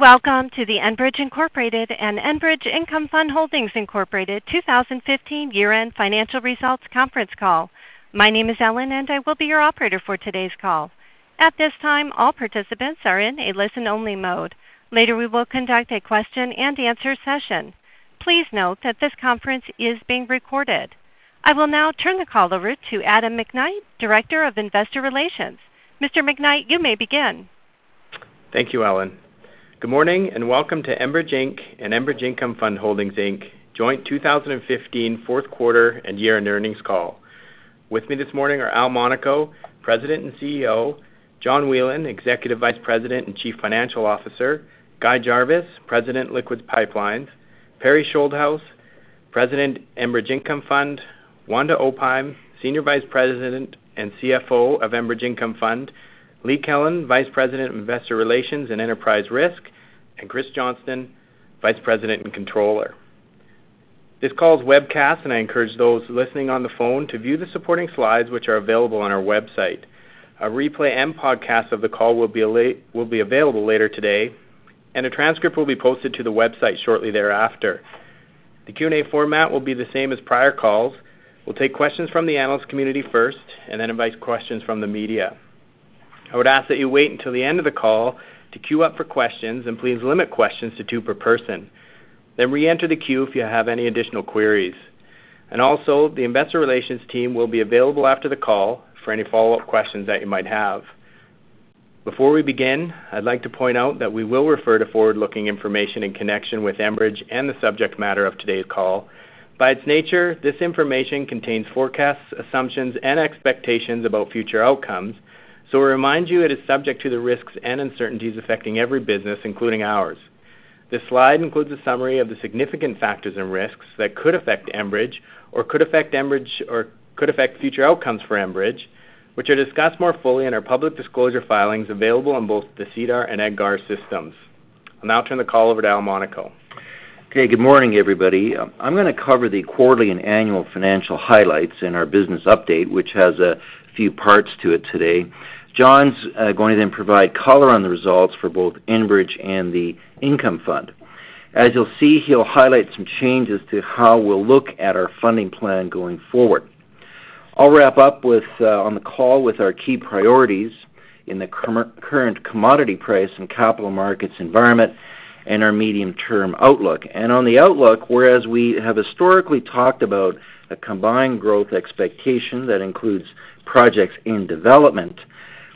Welcome to the Enbridge Incorporated and Enbridge Income Fund Holdings Incorporated 2015 year-end financial results conference call. My name is Ellen, and I will be your operator for today's call. At this time, all participants are in a listen-only mode. Later, we will conduct a question-and-answer session. Please note that this conference is being recorded. I will now turn the call over to Adam McKnight, Director of Investor Relations. Mr. McKnight, you may begin. Thank you, Ellen. Good morning, and welcome to Enbridge Inc and Enbridge Income Fund Holdings Inc joint 2015 fourth quarter and year-end earnings call. With me this morning are Al Monaco, President and CEO; John Whelen, Executive Vice President and Chief Financial Officer; Guy Jarvis, President, Liquids Pipelines; Perry Schuldhaus, President, Enbridge Income Fund; Wanda Opheim, Senior Vice President and CFO of Enbridge Income Fund; Lee Kelln, Vice President, Investor Relations and Enterprise Risk; and Chris Johnston, Vice President and Controller. This call is webcast, and I encourage those listening on the phone to view the supporting slides, which are available on our website. A replay and podcast of the call will be available later today, and a transcript will be posted to the website shortly thereafter. The Q&A format will be the same as prior calls. We'll take questions from the analyst community first, and then invite questions from the media. I would ask that you wait until the end of the call to queue up for questions, and please limit questions to two per person. Then reenter the queue if you have any additional queries. And also, the investor relations team will be available after the call for any follow-up questions that you might have. Before we begin, I'd like to point out that we will refer to forward-looking information in connection with Enbridge and the subject matter of today's call. By its nature, this information contains forecasts, assumptions, and expectations about future outcomes, so we remind you it is subject to the risks and uncertainties affecting every business, including ours. This slide includes a summary of the significant factors and risks that could affect Enbridge or could affect future outcomes for Enbridge, which are discussed more fully in our public disclosure filings, available on both the SEDAR and EDGAR systems. I'll now turn the call over to Al Monaco. Okay, good morning, everybody. I'm gonna cover the quarterly and annual financial highlights in our business update, which has a few parts to it today. John's going to then provide color on the results for both Enbridge and the Income Fund. As you'll see, he'll highlight some changes to how we'll look at our funding plan going forward. I'll wrap up with. On the call with our key priorities in the current commodity price and capital markets environment and our medium-term outlook. And on the outlook, whereas we have historically talked about a combined growth expectation that includes projects in development,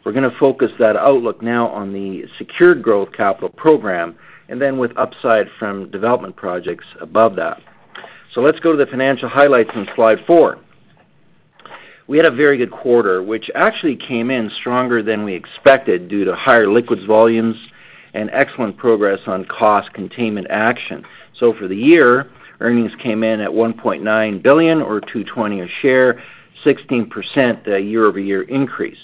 we're gonna focus that outlook now on the secured growth capital program and then with upside from development projects above that. So let's go to the financial highlights on slide four. We had a very good quarter, which actually came in stronger than we expected due to higher liquids volumes and excellent progress on cost containment action. So for the year, earnings came in at 1.9 billion or 2.20 per share, 16%, year-over-year increase.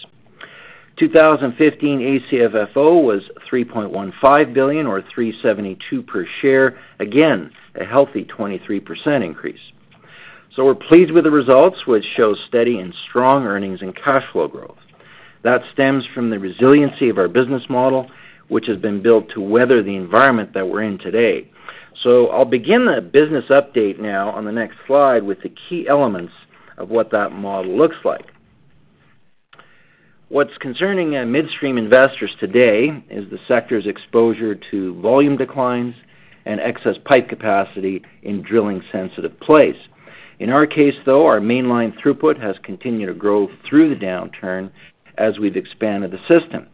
2015 ACFFO was 3.15 billion or 3.72 per share, again, a healthy 23% increase. So we're pleased with the results, which show steady and strong earnings and cash flow growth. That stems from the resiliency of our business model, which has been built to weather the environment that we're in today. So I'll begin the business update now on the next slide with the key elements of what that model looks like. What's concerning, midstream investors today is the sector's exposure to volume declines and excess pipe capacity in drilling-sensitive plays. In our case, though, our Mainline throughput has continued to grow through the downturn as we've expanded the system.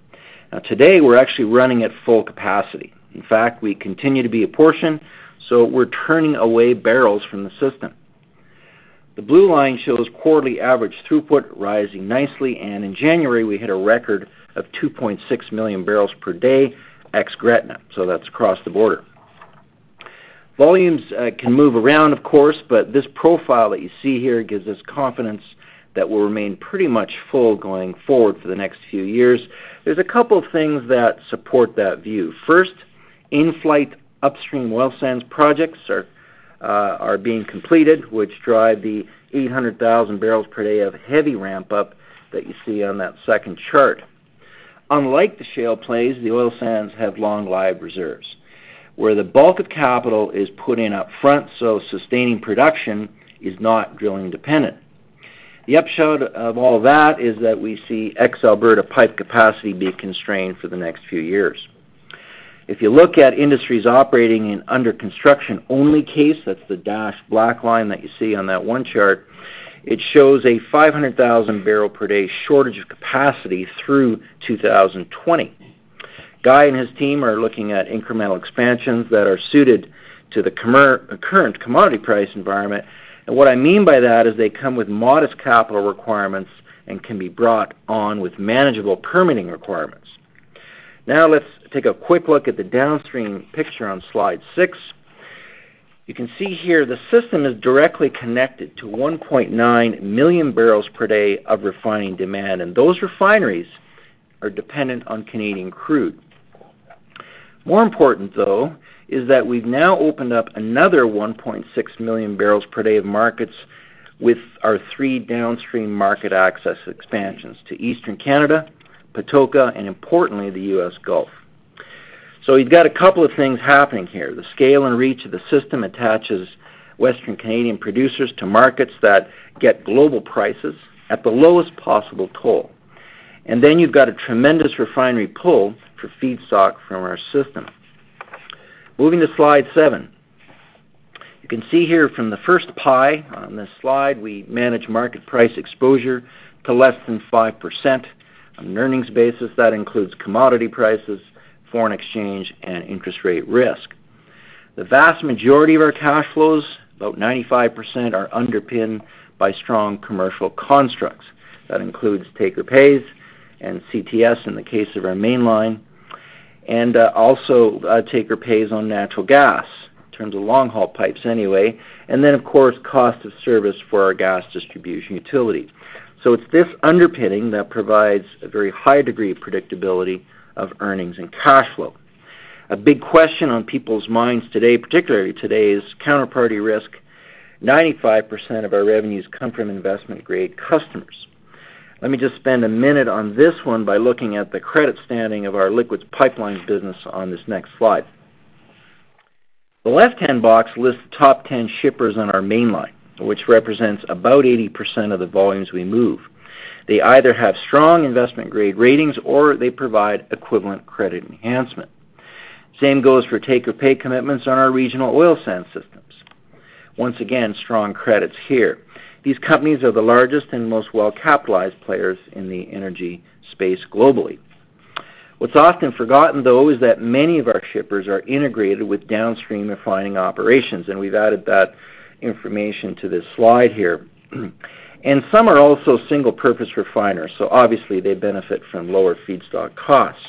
Now, today, we're actually running at full capacity. In fact, we continue to be apportioned, so we're turning away barrels from the system. The blue line shows quarterly average throughput rising nicely, and in January, we hit a record of 2.6 MMbpd ex Gretna, so that's across the border. Volumes can move around, of course, but this profile that you see here gives us confidence that we'll remain pretty much full going forward for the next few years. There's a couple of things that support that view. First, in-flight upstream oil sands projects are being completed, which drive the 800,000 bbl per day of heavy ramp-up that you see on that second chart. Unlike the shale plays, the oil sands have long-life reserves, where the bulk of capital is put in upfront, so sustaining production is not drilling-dependent. The upshot of all that is that we see ex Alberta pipe capacity be constrained for the next few years. If you look at industry operating and under construction-only case, that's the dashed black line that you see on that one chart, it shows a 500,000 barrel per day shortage of capacity through 2020. Guy and his team are looking at incremental expansions that are suited to the current commodity price environment. And what I mean by that is they come with modest capital requirements and can be brought on with manageable permitting requirements. Now, let's take a quick look at the downstream picture on slide six. You can see here the system is directly connected to 1.9 MMbpd of refining demand, and those refineries are dependent on Canadian crude. More important, though, is that we've now opened up another 1.6 MMbpd of markets with our three downstream market access expansions to Eastern Canada, Patoka, and importantly, the U.S. Gulf. So you've got a couple of things happening here. The scale and reach of the system attaches Western Canadian producers to markets that get global prices at the lowest possible toll. And then you've got a tremendous refinery pull for feedstock from our system. Moving to slide seven. You can see here from the first pie on this slide, we manage market price exposure to less than 5%. On an earnings basis, that includes commodity prices, foreign exchange, and interest rate risk. The vast majority of our cash flows, about 95%, are underpinned by strong commercial constructs. That includes take-or-pays and CTS in the case of our Mainline, and also take-or-pays on natural gas, in terms of long-haul pipes anyway, and then, of course, cost of service for our Gas Distribution utility. So it's this underpinning that provides a very high degree of predictability of earnings and cash flow. A big question on people's minds today, particularly today, is counterparty risk. 95% of our revenues come from investment-grade customers. Let me just spend a minute on this one by looking at the credit standing of our liquids pipeline business on this next slide. The left-hand box lists the top 10 shippers on our Mainline, which represents about 80% of the volumes we move. They either have strong investment-grade ratings, or they provide equivalent credit enhancement. Same goes for take-or-pay commitments on our regional oil sand systems. Once again, strong credits here. These companies are the largest and most well-capitalized players in the energy space globally. What's often forgotten, though, is that many of our shippers are integrated with downstream refining operations, and we've added that information to this slide here. Some are also single-purpose refiners, so obviously, they benefit from lower feedstock costs.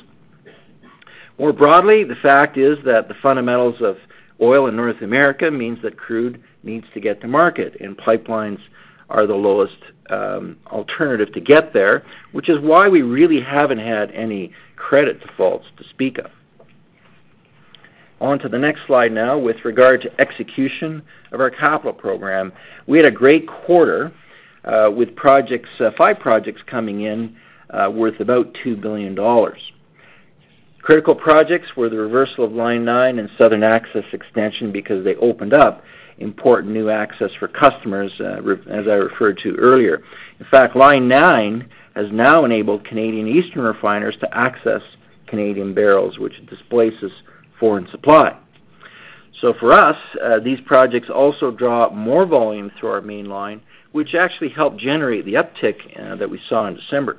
More broadly, the fact is that the fundamentals of oil in North America means that crude needs to get to market, and pipelines are the lowest alternative to get there, which is why we really haven't had any credit defaults to speak of. On to the next slide now with regard to execution of our capital program. We had a great quarter with 5 projects coming in worth about 2 billion dollars. Critical projects were the reversal of Line 9 and Southern Access Extension because they opened up important new access for customers, as I referred to earlier. In fact, Line 9 has now enabled Canadian eastern refiners to access Canadian barrels, which displaces foreign supply. So for us, these projects also draw more volume through our Mainline, which actually helped generate the uptick that we saw in December.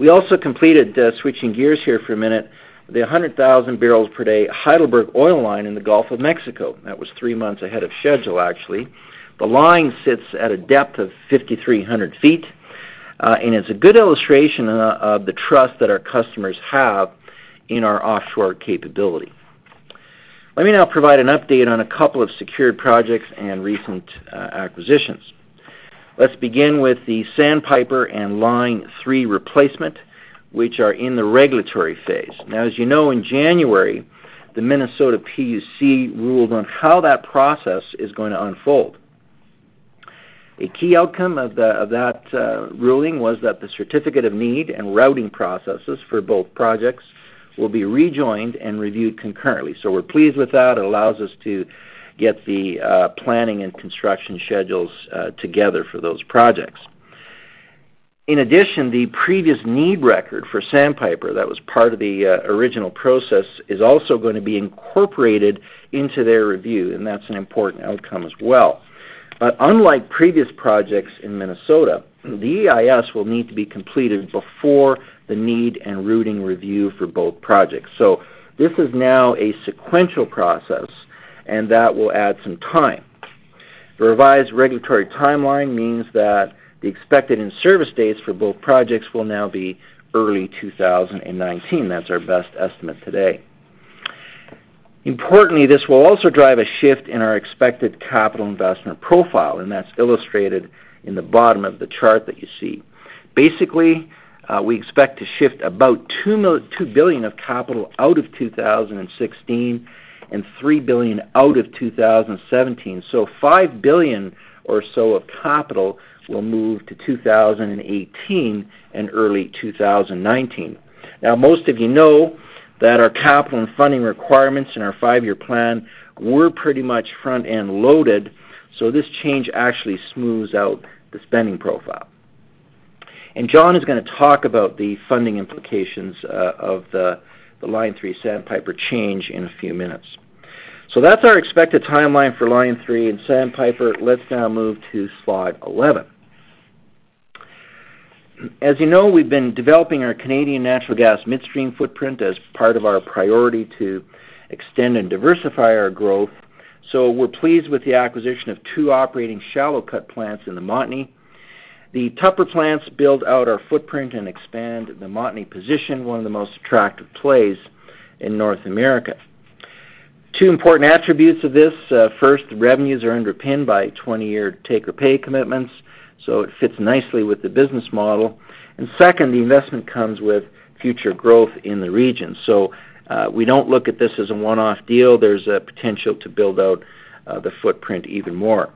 We also completed, switching gears here for a minute, the 100,000 bbl per day Heidelberg Oil Line in the Gulf of Mexico. That was three months ahead of schedule, actually. The line sits at a depth of 5,300 ft, and it's a good illustration of the trust that our customers have in our offshore capability. Let me now provide an update on a couple of secured projects and recent acquisitions. Let's begin with the Sandpiper and Line 3 Replacement, which are in the regulatory phase. Now, as you know, in January, the Minnesota PUC ruled on how that process is going to unfold. A key outcome of that ruling was that the certificate of need and routing processes for both projects will be rejoined and reviewed concurrently. So we're pleased with that. It allows us to get the planning and construction schedules together for those projects. In addition, the previous need record for Sandpiper, that was part of the original process, is also going to be incorporated into their review, and that's an important outcome as well. But unlike previous projects in Minnesota, the EIS will need to be completed before the need and routing review for both projects. So this is now a sequential process, and that will add some time. The revised regulatory timeline means that the expected in-service dates for both projects will now be early 2019. That's our best estimate today. Importantly, this will also drive a shift in our expected capital investment profile, and that's illustrated in the bottom of the chart that you see. Basically, we expect to shift about 2 billion of capital out of 2016, and 3 billion out of 2017. So 5 billion or so of capital will move to 2018 and early 2019. Now, most of you know that our capital and funding requirements in our five-year plan were pretty much front-end loaded, so this change actually smooths out the spending profile. And John is gonna talk about the funding implications of the Line 3 Sandpiper change in a few minutes. So that's our expected timeline for Line 3 and Sandpiper. Let's now move to slide 11. As you know, we've been developing our Canadian natural gas midstream footprint as part of our priority to extend and diversify our growth, so we're pleased with the acquisition of two operating shallow cut plants in the Montney. The Tupper plants build out our footprint and expand the Montney position, one of the most attractive plays in North America. Two important attributes of this. First, the revenues are underpinned by 20-year take-or-pay commitments, so it fits nicely with the business model. And second, the investment comes with future growth in the region. So, we don't look at this as a one-off deal. There's a potential to build out the footprint even more.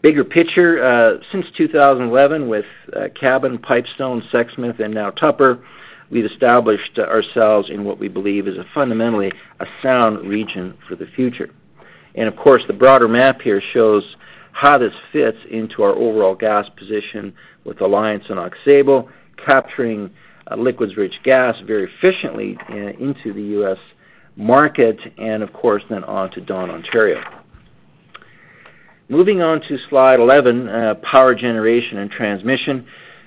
Bigger picture, since 2011, with Cabin, Pipestone, Sexsmith, and now Tupper, we've established ourselves in what we believe is a fundamentally a sound region for the future. And of course, the broader map here shows how this fits into our overall gas position with Alliance and Aux Sable, capturing liquids-rich gas very efficiently into the U.S. market and, of course, then on to Dawn, Ontario. Moving on to slide 11, Power Generation and Transmission.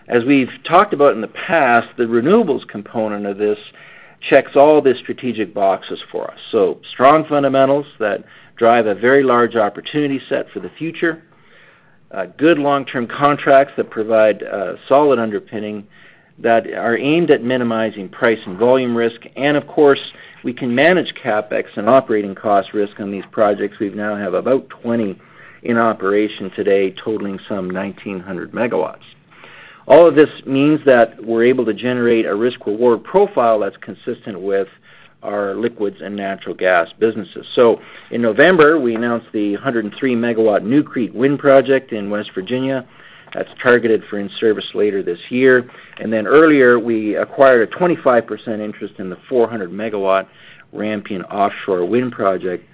As we've talked about in the past, the renewables component of this checks all the strategic boxes for us. So strong fundamentals that drive a very large opportunity set for the future, good long-term contracts that provide solid underpinning that are aimed at minimizing price and volume risk. And of course, we can manage CapEx and operating cost risk on these projects. We now have about 20 in operation today, totaling some 1,900 MW. All of this means that we're able to generate a risk-reward profile that's consistent with our liquids and natural gas businesses. So in November, we announced the 103-MW New Creek Wind Project in West Virginia. That's targeted for in-service later this year. And then earlier, we acquired a 25% interest in the 400-MW Rampion Offshore Wind Project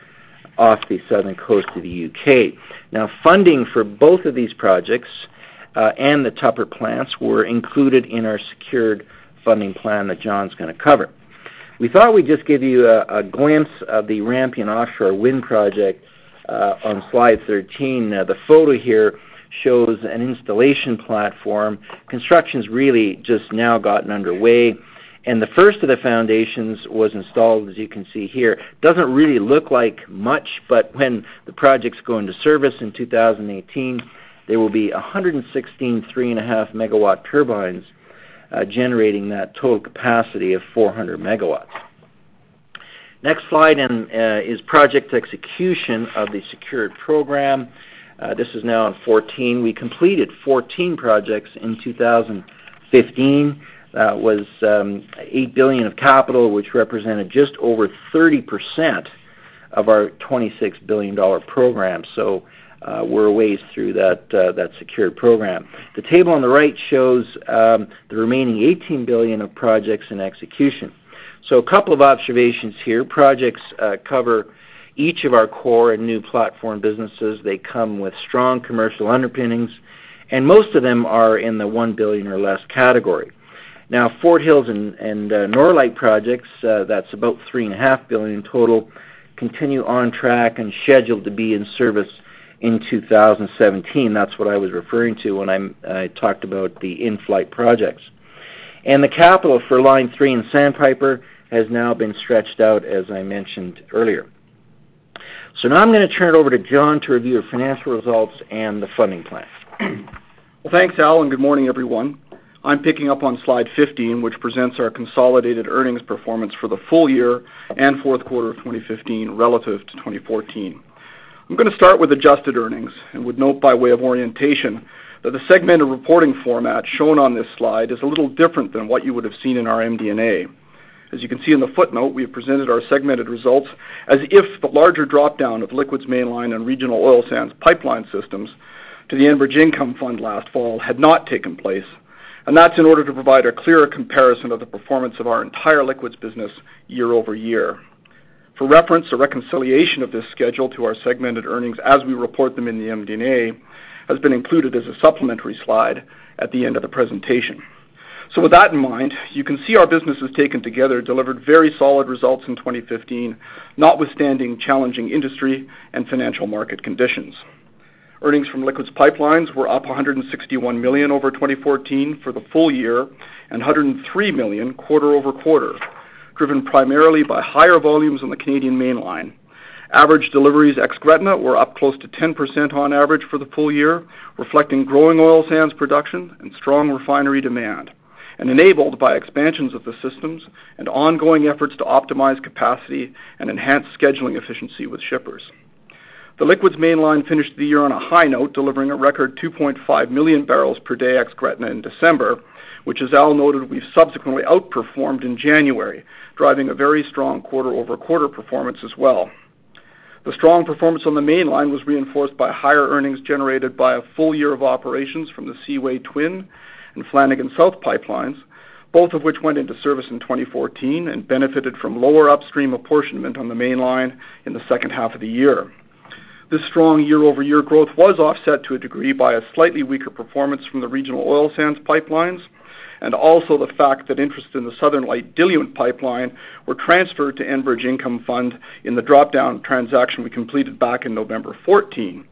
off the southern coast of the U.K. Now, funding for both of these projects and the Tupper Plants were included in our secured funding plan that John's gonna cover. We thought we'd just give you a glimpse of the Rampion Offshore Wind Project on slide 13. The photo here shows an installation platform. Construction's really just now gotten underway, and the first of the foundations was installed, as you can see here. Doesn't really look like much, but when the projects go into service in 2018, there will be 116 3.5-MW turbines generating that total capacity of 400 MW. Next slide and is project execution of the secured program. This is now on 14. We completed 14 projects in 2015. That was $8 billion of capital, which represented just over 30% of our $26 billion program. So, we're a ways through that, that secured program. The table on the right shows the remaining $18 billion of projects in execution. So a couple of observations here. Projects cover each of our core and new platform businesses. They come with strong commercial underpinnings, and most of them are in the $1 billion or less category. Now, Fort Hills and Norlite projects, that's about $3.5 billion in total, continue on track and scheduled to be in service in 2017. That's what I was referring to when I talked about the in-flight projects. The capital for Line 3 and Sandpiper has now been stretched out, as I mentioned earlier. So now I'm gonna turn it over to John to review our financial results and the funding plan. Well, thanks, Al, and good morning, everyone. I'm picking up on slide 15, which presents our consolidated earnings performance for the full year and fourth quarter of 2015 relative to 2014. I'm gonna start with adjusted earnings and would note by way of orientation that the segmented reporting format shown on this slide is a little different than what you would have seen in our MD&A. As you can see in the footnote, we have presented our segmented results as if the larger drop-down of Liquids Mainline and regional oil sands pipeline systems to the Enbridge Income Fund last fall had not taken place, and that's in order to provide a clearer comparison of the performance of our entire liquids business year-over-year. For reference, a reconciliation of this schedule to our segmented earnings as we report them in the MD&A, has been included as a supplementary slide at the end of the presentation. So with that in mind, you can see our businesses taken together, delivered very solid results in 2015, notwithstanding challenging industry and financial market conditions. Earnings from Liquids Pipelines were up $161 million over 2014 for the full year, and $103 million quarter-over-quarter, driven primarily by higher volumes on the Canadian Mainline. Average deliveries ex Gretna were up close to 10% on average for the full year, reflecting growing oil sands production and strong refinery demand, and enabled by expansions of the systems and ongoing efforts to optimize capacity and enhance scheduling efficiency with shippers. The Liquids Mainline finished the year on a high note, delivering a record 2.5 MMbpd ex Gretna in December, which as Al noted, we've subsequently outperformed in January, driving a very strong quarter-over-quarter performance as well. The strong performance on the Mainline was reinforced by higher earnings generated by a full year of operations from the Seaway Twin and Flanagan South pipelines, both of which went into service in 2014 and benefited from lower upstream apportionment on the Mainline in the second half of the year. This strong year-over-year growth was offset to a degree by a slightly weaker performance from the regional oil sands pipelines, and also the fact that interest in the Southern Lights diluent pipeline were transferred to Enbridge Income Fund in the drop-down transaction we completed back in November 2014.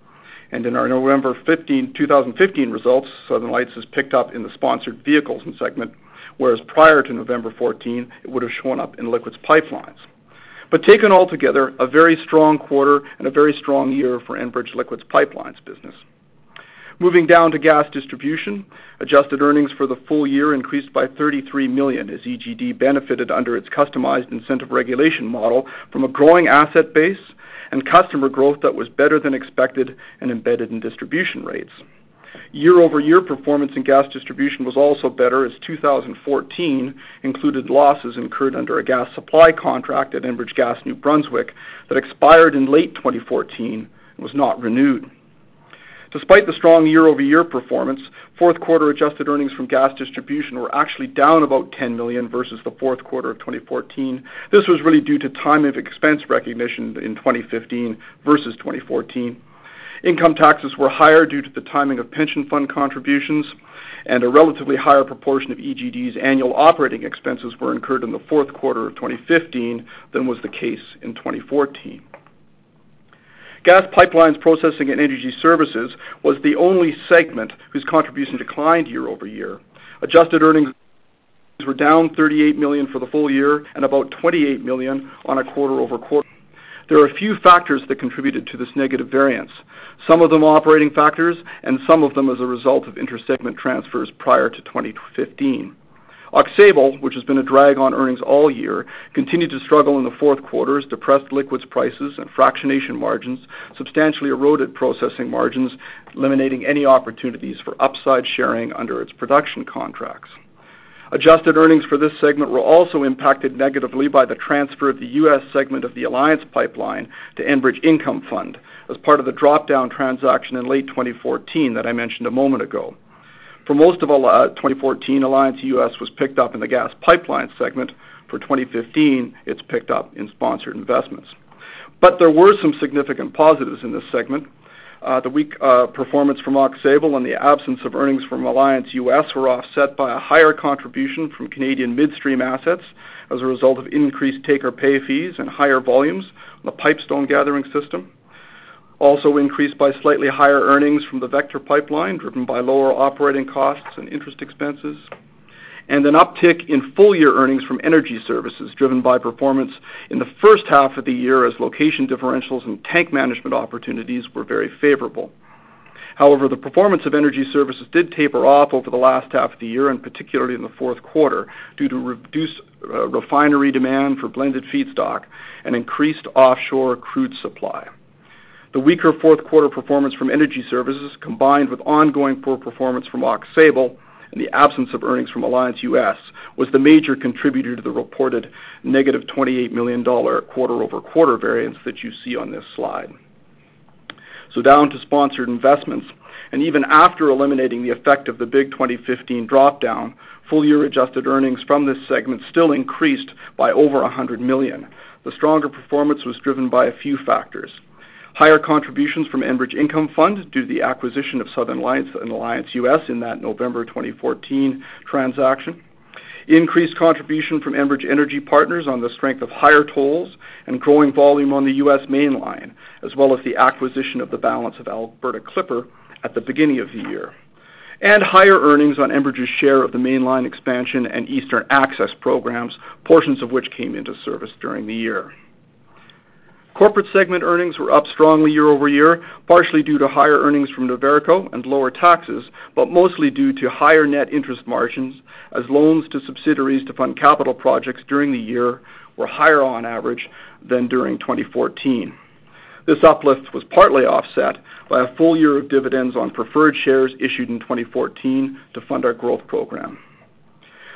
In our November 15, 2015 results, Southern Lights is picked up in the sponsored vehicles and segment, whereas prior to November 2014, it would have shown up in Liquids Pipelines. Taken altogether, a very strong quarter and a very strong year for Enbridge Liquids Pipelines business. Moving down to Gas Distribution. Adjusted earnings for the full year increased by 33 million, as EGD benefited under its customized incentive regulation model from a growing asset base and customer growth that was better than expected and embedded in distribution rates. Year-over-year performance in Gas Distribution was also better, as 2014 included losses incurred under a gas supply contract at Enbridge Gas New Brunswick that expired in late 2014 and was not renewed. Despite the strong year-over-year performance, fourth quarter adjusted earnings from Gas Distribution were actually down about 10 million versus the fourth quarter of 2014. This was really due to timing of expense recognition in 2015 versus 2014. Income taxes were higher due to the timing of pension fund contributions, and a relatively higher proportion of EGD's annual operating expenses were incurred in the fourth quarter of 2015 than was the case in 2014. Gas Pipelines, Processing, and Energy Services was the only segment whose contribution declined year-over-year. Adjusted earnings were down 38 million for the full year and about 28 million on a quarter-over-quarter. There are a few factors that contributed to this negative variance, some of them operating factors and some of them as a result of intersegment transfers prior to 2015. Aux Sable, which has been a drag on earnings all year, continued to struggle in the fourth quarter as depressed liquids prices and fractionation margins substantially eroded processing margins, eliminating any opportunities for upside sharing under its production contracts. Adjusted earnings for this segment were also impacted negatively by the transfer of the U.S. segment of the Alliance Pipeline to Enbridge Income Fund as part of the drop-down transaction in late 2014 that I mentioned a moment ago. For most of 2014, Alliance U.S. was picked up in the gas pipeline segment. For 2015, it's picked up in Sponsored Investments. But there were some significant positives in this segment. The weak performance from Aux Sable and the absence of earnings from Alliance U.S. were offset by a higher contribution from Canadian midstream assets as a result of increased take-or-pay fees and higher volumes on the Pipestone gathering system. Also increased by slightly higher earnings from the Vector Pipeline, driven by lower operating costs and interest expenses, and an uptick in full-year earnings from energy services, driven by performance in the first half of the year as location differentials and tank management opportunities were very favorable. However, the performance of energy services did taper off over the last half of the year, and particularly in the fourth quarter, due to reduced refinery demand for blended feedstock and increased offshore crude supply. The weaker fourth quarter performance from energy services, combined with ongoing poor performance from Aux Sable and the absence of earnings from Alliance U.S., was the major contributor to the reported negative $28 million quarter-over-quarter variance that you see on this slide. So down to Sponsored Investments, and even after eliminating the effect of the big 2015 drop-down, full-year adjusted earnings from this segment still increased by over $100 million. The stronger performance was driven by a few factors: higher contributions from Enbridge Income Fund due to the acquisition of Southern Lights and Alliance U.S. in that November 2014 transaction, increased contribution from Enbridge Energy Partners on the strength of higher tolls and growing volume on the U.S. Mainline, as well as the acquisition of the balance of Alberta Clipper at the beginning of the year, and higher earnings on Enbridge's share of the Mainline Expansion and Eastern Access programs, portions of which came into service during the year. Corporate segment earnings were up strongly year-over-year, partially due to higher earnings from Noverco and lower taxes, but mostly due to higher net interest margins, as loans to subsidiaries to fund capital projects during the year were higher on average than during 2014. This uplift was partly offset by a full year of dividends on preferred shares issued in 2014 to fund our growth program.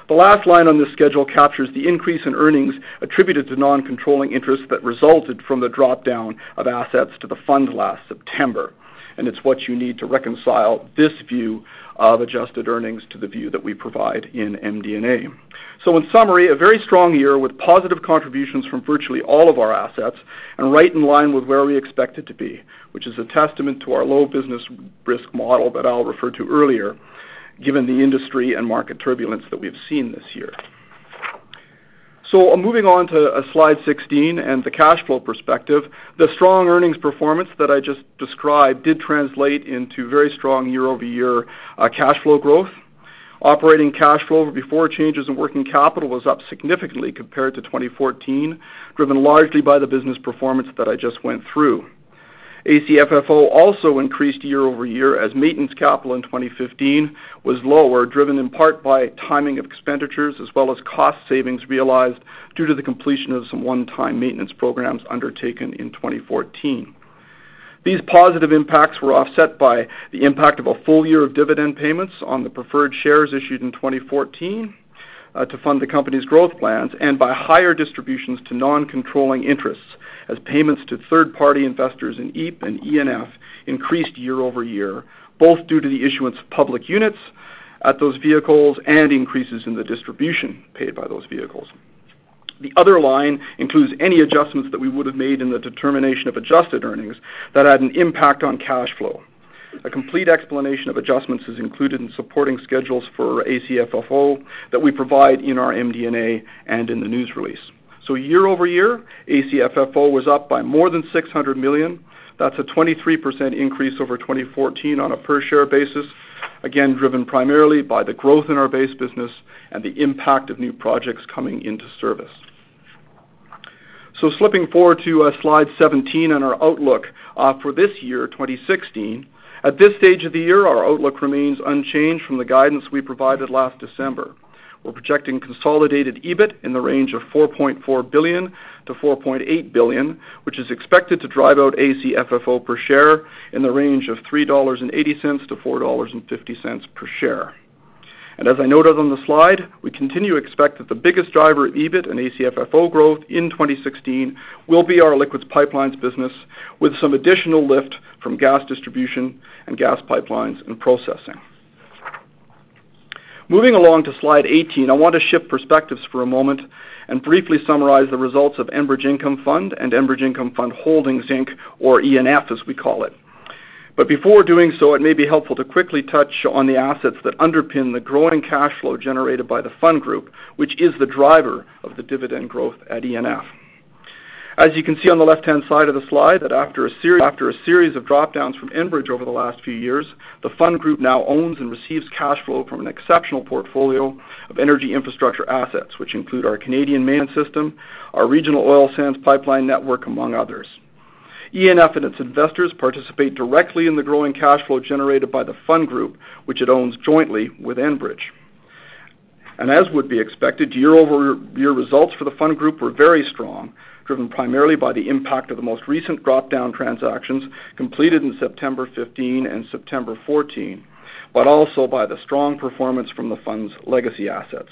The last line on this schedule captures the increase in earnings attributed to non-controlling interests that resulted from the drop-down of assets to the fund last September, and it's what you need to reconcile this view of adjusted earnings to the view that we provide in MD&A. So in summary, a very strong year with positive contributions from virtually all of our assets and right in line with where we expect it to be, which is a testament to our low business risk model that Al referred to earlier, given the industry and market turbulence that we've seen this year. So moving on to, slide 16 and the cash flow perspective. The strong earnings performance that I just described did translate into very strong year-over-year cash flow growth. Operating cash flow before changes in working capital was up significantly compared to 2014, driven largely by the business performance that I just went through. ACFFO also increased year-over-year as maintenance capital in 2015 was lower, driven in part by timing of expenditures as well as cost savings realized due to the completion of some one-time maintenance programs undertaken in 2014. These positive impacts were offset by the impact of a full year of dividend payments on the preferred shares issued in 2014 to fund the company's growth plans, and by higher distributions to non-controlling interests, as payments to third-party investors in EEP and ENF increased year-over-year, both due to the issuance of public units at those vehicles and increases in the distribution paid by those vehicles. The other line includes any adjustments that we would have made in the determination of adjusted earnings that had an impact on cash flow. A complete explanation of adjustments is included in supporting schedules for ACFFO that we provide in our MD&A and in the news release. So year-over-year, ACFFO was up by more than $600 million. That's a 23% increase over 2014 on a per-share basis, again, driven primarily by the growth in our base business and the impact of new projects coming into service. So slipping forward to slide 17 on our outlook for this year, 2016. At this stage of the year, our outlook remains unchanged from the guidance we provided last December. We're projecting consolidated EBIT in the range of $4.4 billion-$4.8 billion, which is expected to drive out ACFFO per share in the range of $3.80-$4.50 per share. As I noted on the slide, we continue to expect that the biggest driver of EBIT and ACFFO growth in 2016 will be our Liquids Pipelines business, with some additional lift from Gas Distribution and Gas Pipelines and Processing. Moving along to slide 18, I want to shift perspectives for a moment and briefly summarize the results of Enbridge Income Fund and Enbridge Income Fund Holdings, Inc., or ENF, as we call it. But before doing so, it may be helpful to quickly touch on the assets that underpin the growing cash flow generated by the Fund Group, which is the driver of the dividend growth at ENF. As you can see on the left-hand side of the slide, after a series of drop-downs from Enbridge over the last few years, the Fund Group now owns and receives cash flow from an exceptional portfolio of energy infrastructure assets, which include our Canadian main system, our regional oil sands pipeline network, among others. ENF and its investors participate directly in the growing cash flow generated by the Fund Group, which it owns jointly with Enbridge. As would be expected, year-over-year results for the Fund Group were very strong, driven primarily by the impact of the most recent drop-down transactions completed in September 2015 and September 2014, but also by the strong performance from the Fund's legacy assets.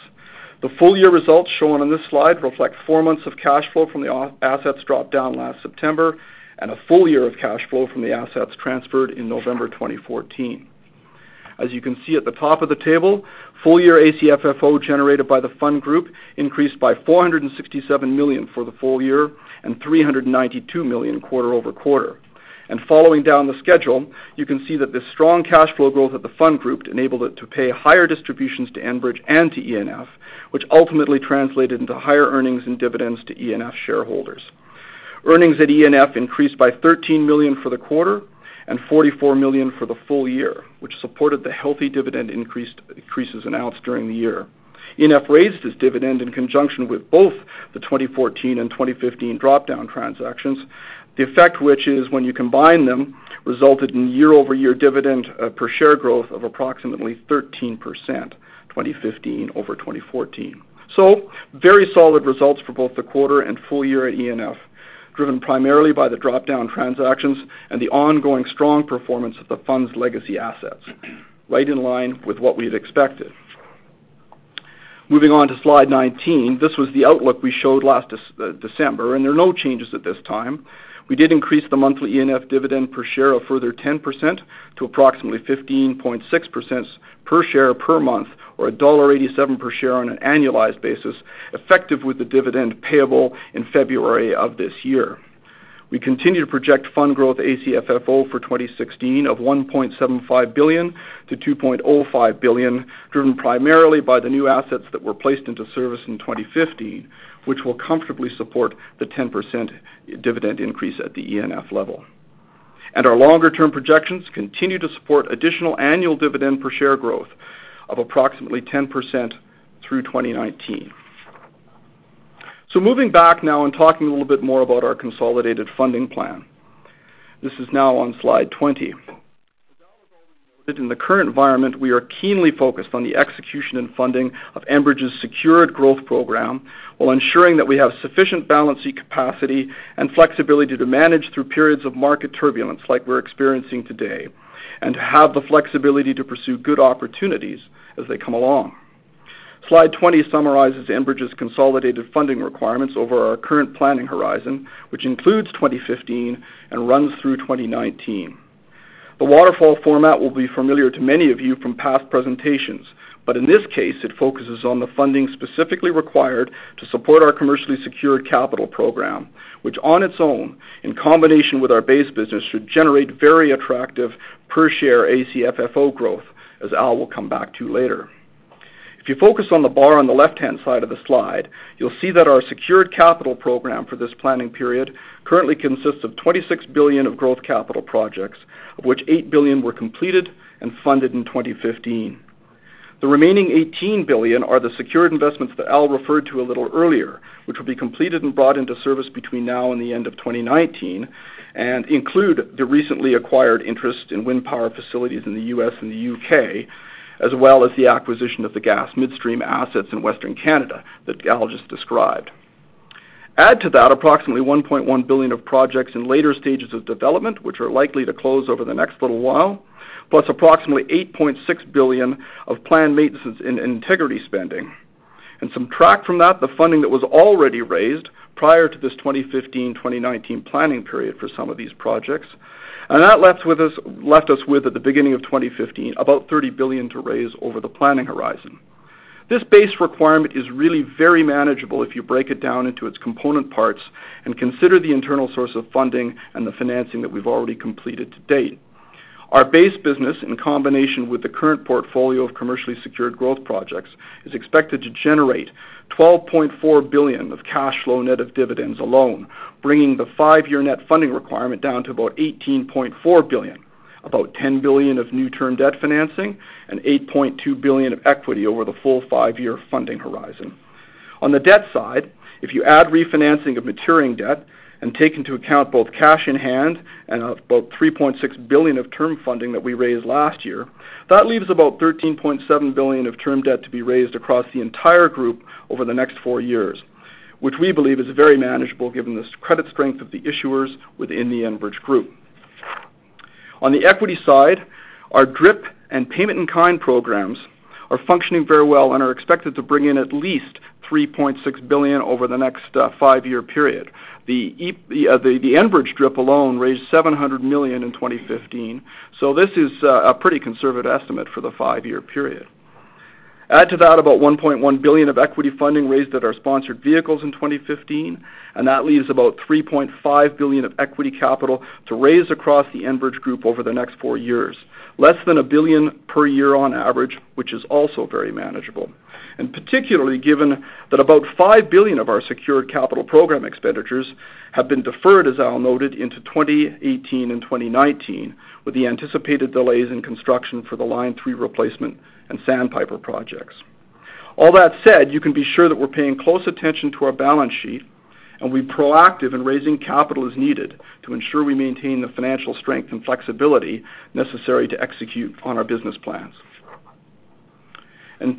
The full year results shown on this slide reflect four months of cash flow from the our assets dropped down last September, and a full year of cash flow from the assets transferred in November 2014. As you can see at the top of the table, full year ACFFO generated by the Fund Group increased by 467 million for the full year and 392 million quarter-over-quarter. Following down the schedule, you can see that the strong cash flow growth of the Fund Group enabled it to pay higher distributions to Enbridge and to ENF, which ultimately translated into higher earnings and dividends to ENF shareholders. Earnings at ENF increased by 13 million for the quarter and 44 million for the full year, which supported the healthy dividend increase, increases announced during the year. ENF raised its dividend in conjunction with both the 2014 and 2015 drop-down transactions, the effect which is, when you combine them, resulted in year-over-year dividend, per share growth of approximately 13%, 2015 over 2014. So very solid results for both the quarter and full year at ENF, driven primarily by the drop-down transactions and the ongoing strong performance of the Fund's legacy assets, right in line with what we've expected. Moving on to slide 19. This was the outlook we showed last December, and there are no changes at this time. We did increase the monthly ENF dividend per share a further 10% to approximately 15.6 cents per share per month, or $1.87 per share on an annualized basis, effective with the dividend payable in February of this year. We continue to project Fund Group ACFFO for 2016 of $1.75 billion-$2.05 billion, driven primarily by the new assets that were placed into service in 2015, which will comfortably support the 10% dividend increase at the ENF level. And our longer-term projections continue to support additional annual dividend per share growth of approximately 10% through 2019. So moving back now and talking a little bit more about our consolidated funding plan. This is now on slide 20. In the current environment, we are keenly focused on the execution and funding of Enbridge's secured growth program, while ensuring that we have sufficient balancing capacity and flexibility to manage through periods of market turbulence, like we're experiencing today, and to have the flexibility to pursue good opportunities as they come along. Slide 20 summarizes Enbridge's consolidated funding requirements over our current planning horizon, which includes 2015 and runs through 2019. The waterfall format will be familiar to many of you from past presentations, but in this case, it focuses on the funding specifically required to support our commercially secured capital program, which on its own, in combination with our base business, should generate very attractive per share ACFFO growth, as Al will come back to later. If you focus on the bar on the left-hand side of the slide, you'll see that our secured capital program for this planning period currently consists of 26 billion of growth capital projects, of which 8 billion were completed and funded in 2015. The remaining 18 billion are the secured investments that Al referred to a little earlier, which will be completed and brought into service between now and the end of 2019, and include the recently acquired interest in wind power facilities in the U.S. and the U.K., as well as the acquisition of the gas midstream assets in Western Canada that Al just described. Add to that approximately 1.1 billion of projects in later stages of development, which are likely to close over the next little while, plus approximately 8.6 billion of planned maintenance and integrity spending. Subtract from that the funding that was already raised prior to this 2015-2019 planning period for some of these projects, and that left us with, at the beginning of 2015, about 30 billion to raise over the planning horizon. This base requirement is really very manageable if you break it down into its component parts and consider the internal source of funding and the financing that we've already completed to date. Our base business, in combination with the current portfolio of commercially secured growth projects, is expected to generate CAD 12.4 billion of cash flow net of dividends alone, bringing the 5-year net funding requirement down to about CAD 18.4 billion, about CAD 10 billion of new term debt financing and CAD 8.2 billion of equity over the full 5-year funding horizon. On the debt side, if you add refinancing of maturing debt and take into account both cash in hand and about 3.6 billion of term funding that we raised last year, that leaves about 13.7 billion of term debt to be raised across the entire group over the next four years, which we believe is very manageable given the credit strength of the issuers within the Enbridge group. On the equity side, our DRIP and payment-in-kind programs are functioning very well and are expected to bring in at least 3.6 billion over the next five-year period. The Enbridge DRIP alone raised 700 million in 2015, so this is a pretty conservative estimate for the five-year period. Add to that about 1.1 billion of equity funding raised at our sponsored vehicles in 2015, and that leaves about 3.5 billion of equity capital to raise across the Enbridge group over the next 4 years. Less than 1 billion per year on average, which is also very manageable, and particularly given that about 5 billion of our secured capital program expenditures have been deferred, as Al noted, into 2018 and 2019, with the anticipated delays in construction for the Line 3 Replacement and Sandpiper projects. All that said, you can be sure that we're paying close attention to our balance sheet, and we're proactive in raising capital as needed to ensure we maintain the financial strength and flexibility necessary to execute on our business plans.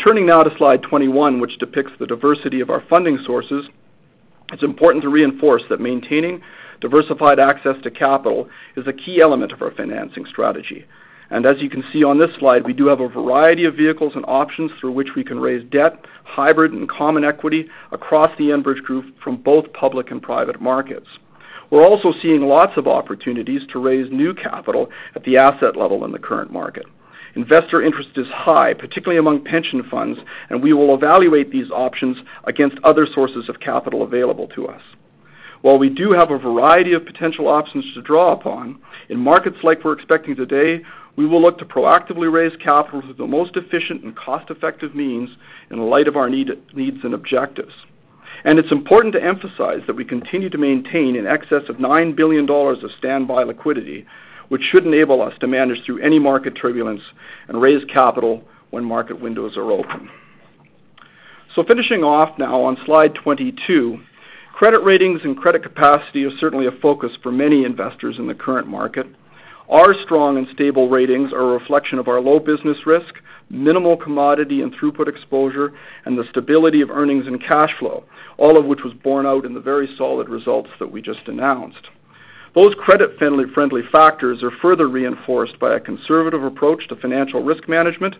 Turning now to slide 21, which depicts the diversity of our funding sources, it's important to reinforce that maintaining diversified access to capital is a key element of our financing strategy. As you can see on this slide, we do have a variety of vehicles and options through which we can raise debt, hybrid, and common equity across the Enbridge Group from both public and private markets. We're also seeing lots of opportunities to raise new capital at the asset level in the current market. Investor interest is high, particularly among pension funds, and we will evaluate these options against other sources of capital available to us. While we do have a variety of potential options to draw upon, in markets like we're expecting today, we will look to proactively raise capital through the most efficient and cost-effective means in light of our need, needs and objectives. It's important to emphasize that we continue to maintain in excess of $9 billion of standby liquidity, which should enable us to manage through any market turbulence and raise capital when market windows are open. So finishing off now on slide 22, credit ratings and credit capacity is certainly a focus for many investors in the current market. Our strong and stable ratings are a reflection of our low business risk, minimal commodity and throughput exposure, and the stability of earnings and cash flow, all of which was borne out in the very solid results that we just announced. Those credit-friendly, friendly factors are further reinforced by a conservative approach to financial risk management,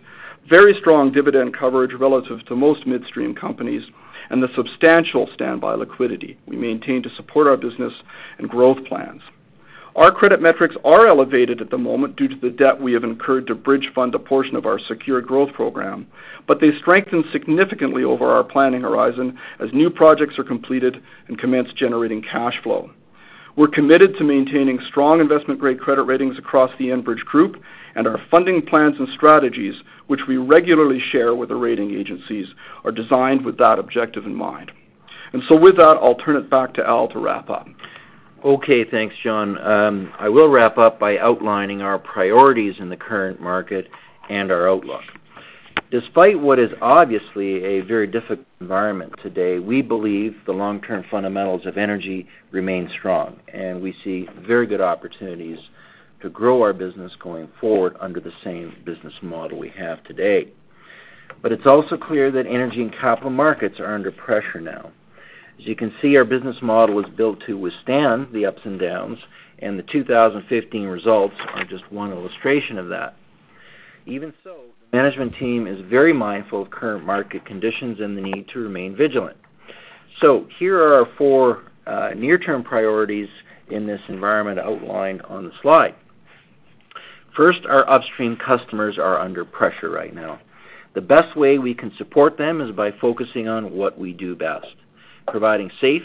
very strong dividend coverage relative to most midstream companies, and the substantial standby liquidity we maintain to support our business and growth plans. Our credit metrics are elevated at the moment due to the debt we have incurred to bridge fund a portion of our secured growth program, but they strengthen significantly over our planning horizon as new projects are completed and commence generating cash flow. We're committed to maintaining strong investment-grade credit ratings across the Enbridge Group, and our funding plans and strategies, which we regularly share with the rating agencies, are designed with that objective in mind. And so with that, I'll turn it back to Al to wrap up. Okay. Thanks, John. I will wrap up by outlining our priorities in the current market and our outlook. Despite what is obviously a very difficult environment today, we believe the long-term fundamentals of energy remain strong, and we see very good opportunities to grow our business going forward under the same business model we have today. But it's also clear that energy and capital markets are under pressure now. As you can see, our business model was built to withstand the ups and downs, and the 2015 results are just one illustration of that. Even so, the management team is very mindful of current market conditions and the need to remain vigilant. So here are our 4 near-term priorities in this environment outlined on the slide. First, our upstream customers are under pressure right now. The best way we can support them is by focusing on what we do best: providing safe,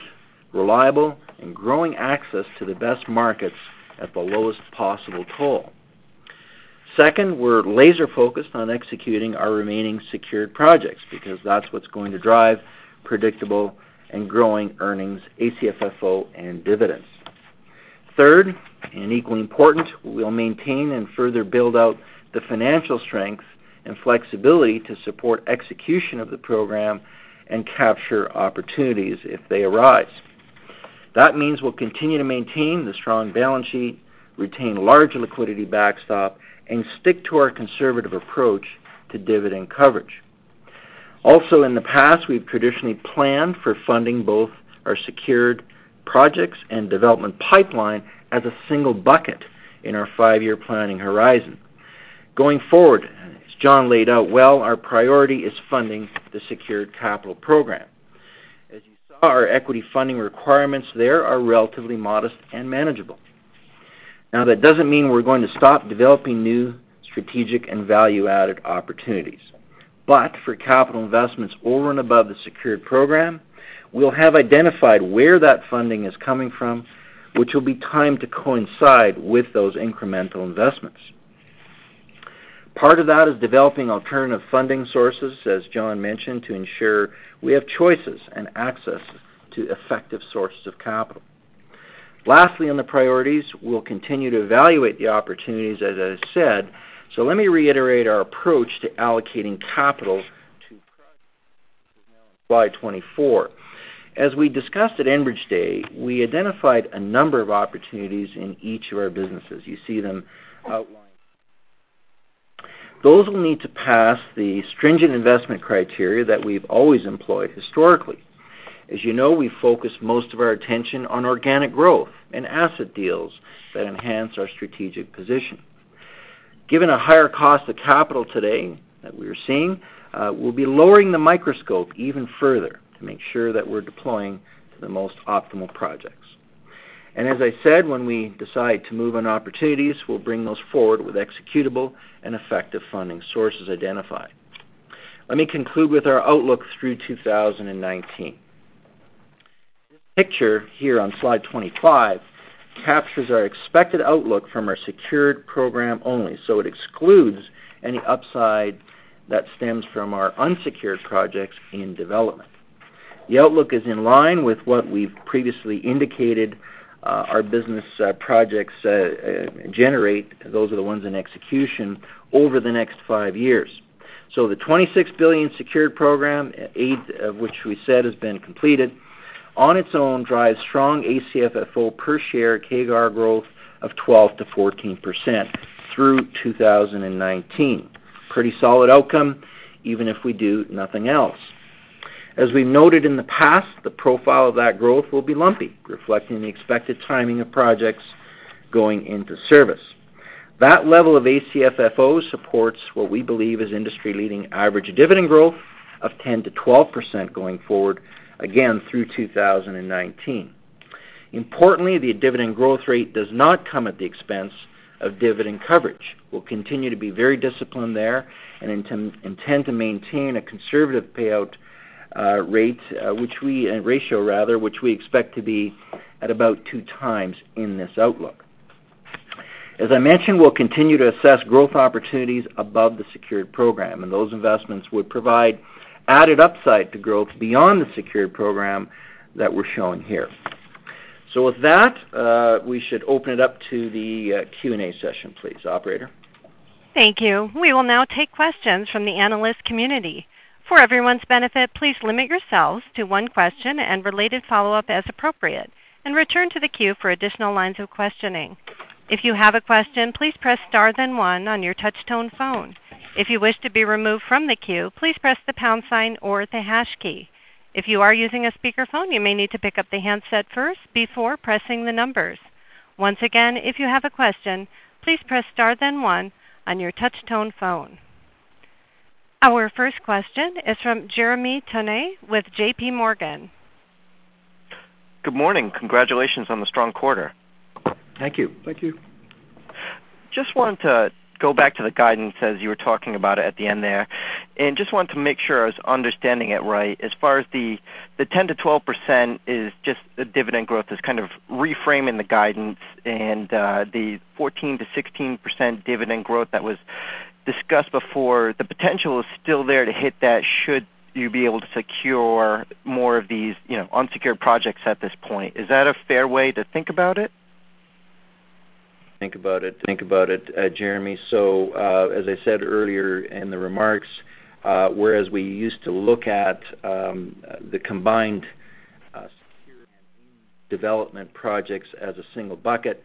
reliable, and growing access to the best markets at the lowest possible toll. Second, we're laser-focused on executing our remaining secured projects because that's what's going to drive predictable and growing earnings, ACFFO, and dividends. Third, and equally important, we'll maintain and further build out the financial strength and flexibility to support execution of the program and capture opportunities if they arise. That means we'll continue to maintain the strong balance sheet, retain large liquidity backstop, and stick to our conservative approach to dividend coverage. Also, in the past, we've traditionally planned for funding both our secured projects and development pipeline as a single bucket in our five-year planning horizon. Going forward, as John laid out well, our priority is funding the secured capital program. As you saw, our equity funding requirements there are relatively modest and manageable. Now, that doesn't mean we're going to stop developing new strategic and value-added opportunities, but for capital investments over and above the secured program, we'll have identified where that funding is coming from, which will be timed to coincide with those incremental investments. Part of that is developing alternative funding sources, as John mentioned, to ensure we have choices and access to effective sources of capital. Lastly, on the priorities, we'll continue to evaluate the opportunities, as I said. So let me reiterate our approach to allocating capital to slide 24. As we discussed at Enbridge Day, we identified a number of opportunities in each of our businesses. You see them outlined. Those will need to pass the stringent investment criteria that we've always employed historically. As you know, we focus most of our attention on organic growth and asset deals that enhance our strategic position. Given a higher cost of capital today that we are seeing, we'll be lowering the microscope even further to make sure that we're deploying the most optimal projects. As I said, when we decide to move on opportunities, we'll bring those forward with executable and effective funding sources identified. Let me conclude with our outlook through 2019. This picture here on slide 25 captures our expected outlook from our secured program only, so it excludes any upside that stems from our unsecured projects in development. The outlook is in line with what we've previously indicated, our business projects generate those are the ones in execution over the next five years. So the $26 billion secured program, 8 of which we said has been completed, on its own, drives strong ACFFO per share CAGR growth of 12%-14% through 2019. Pretty solid outcome, even if we do nothing else. As we noted in the past, the profile of that growth will be lumpy, reflecting the expected timing of projects going into service. That level of ACFFO supports what we believe is industry-leading average dividend growth of 10%-12% going forward, again, through 2019. Importantly, the dividend growth rate does not come at the expense of dividend coverage. We'll continue to be very disciplined there and intend to maintain a conservative payout ratio rather, which we expect to be at about 2 times in this outlook. As I mentioned, we'll continue to assess growth opportunities above the secured program, and those investments would provide added upside to growth beyond the secured program that we're showing here. With that, we should open it up to the Q&A session, please, operator. Thank you. We will now take questions from the analyst community. For everyone's benefit, please limit yourselves to one question and related follow-up as appropriate, and return to the queue for additional lines of questioning. If you have a question, please press star then one on your touch tone phone. If you wish to be removed from the queue, please press the pound sign or the hash key. If you are using a speakerphone, you may need to pick up the handset first before pressing the numbers. Once again, if you have a question, please press star then one on your touch tone phone. Our first question is from Jeremy Tonet with JPMorgan. Good morning. Congratulations on the strong quarter. Thank you. Thank you. Just want to go back to the guidance as you were talking about it at the end there, and just wanted to make sure I was understanding it right. As far as the ten to twelve percent is just the dividend growth is kind of reframing the guidance and, the fourteen to sixteen percent dividend growth that was discussed before, the potential is still there to hit that should you be able to secure more of these, you know, unsecured projects at this point. Is that a fair way to think about it? Think about it, Jeremy. So, as I said earlier in the remarks, whereas we used to look at the combined secured and development projects as a single bucket,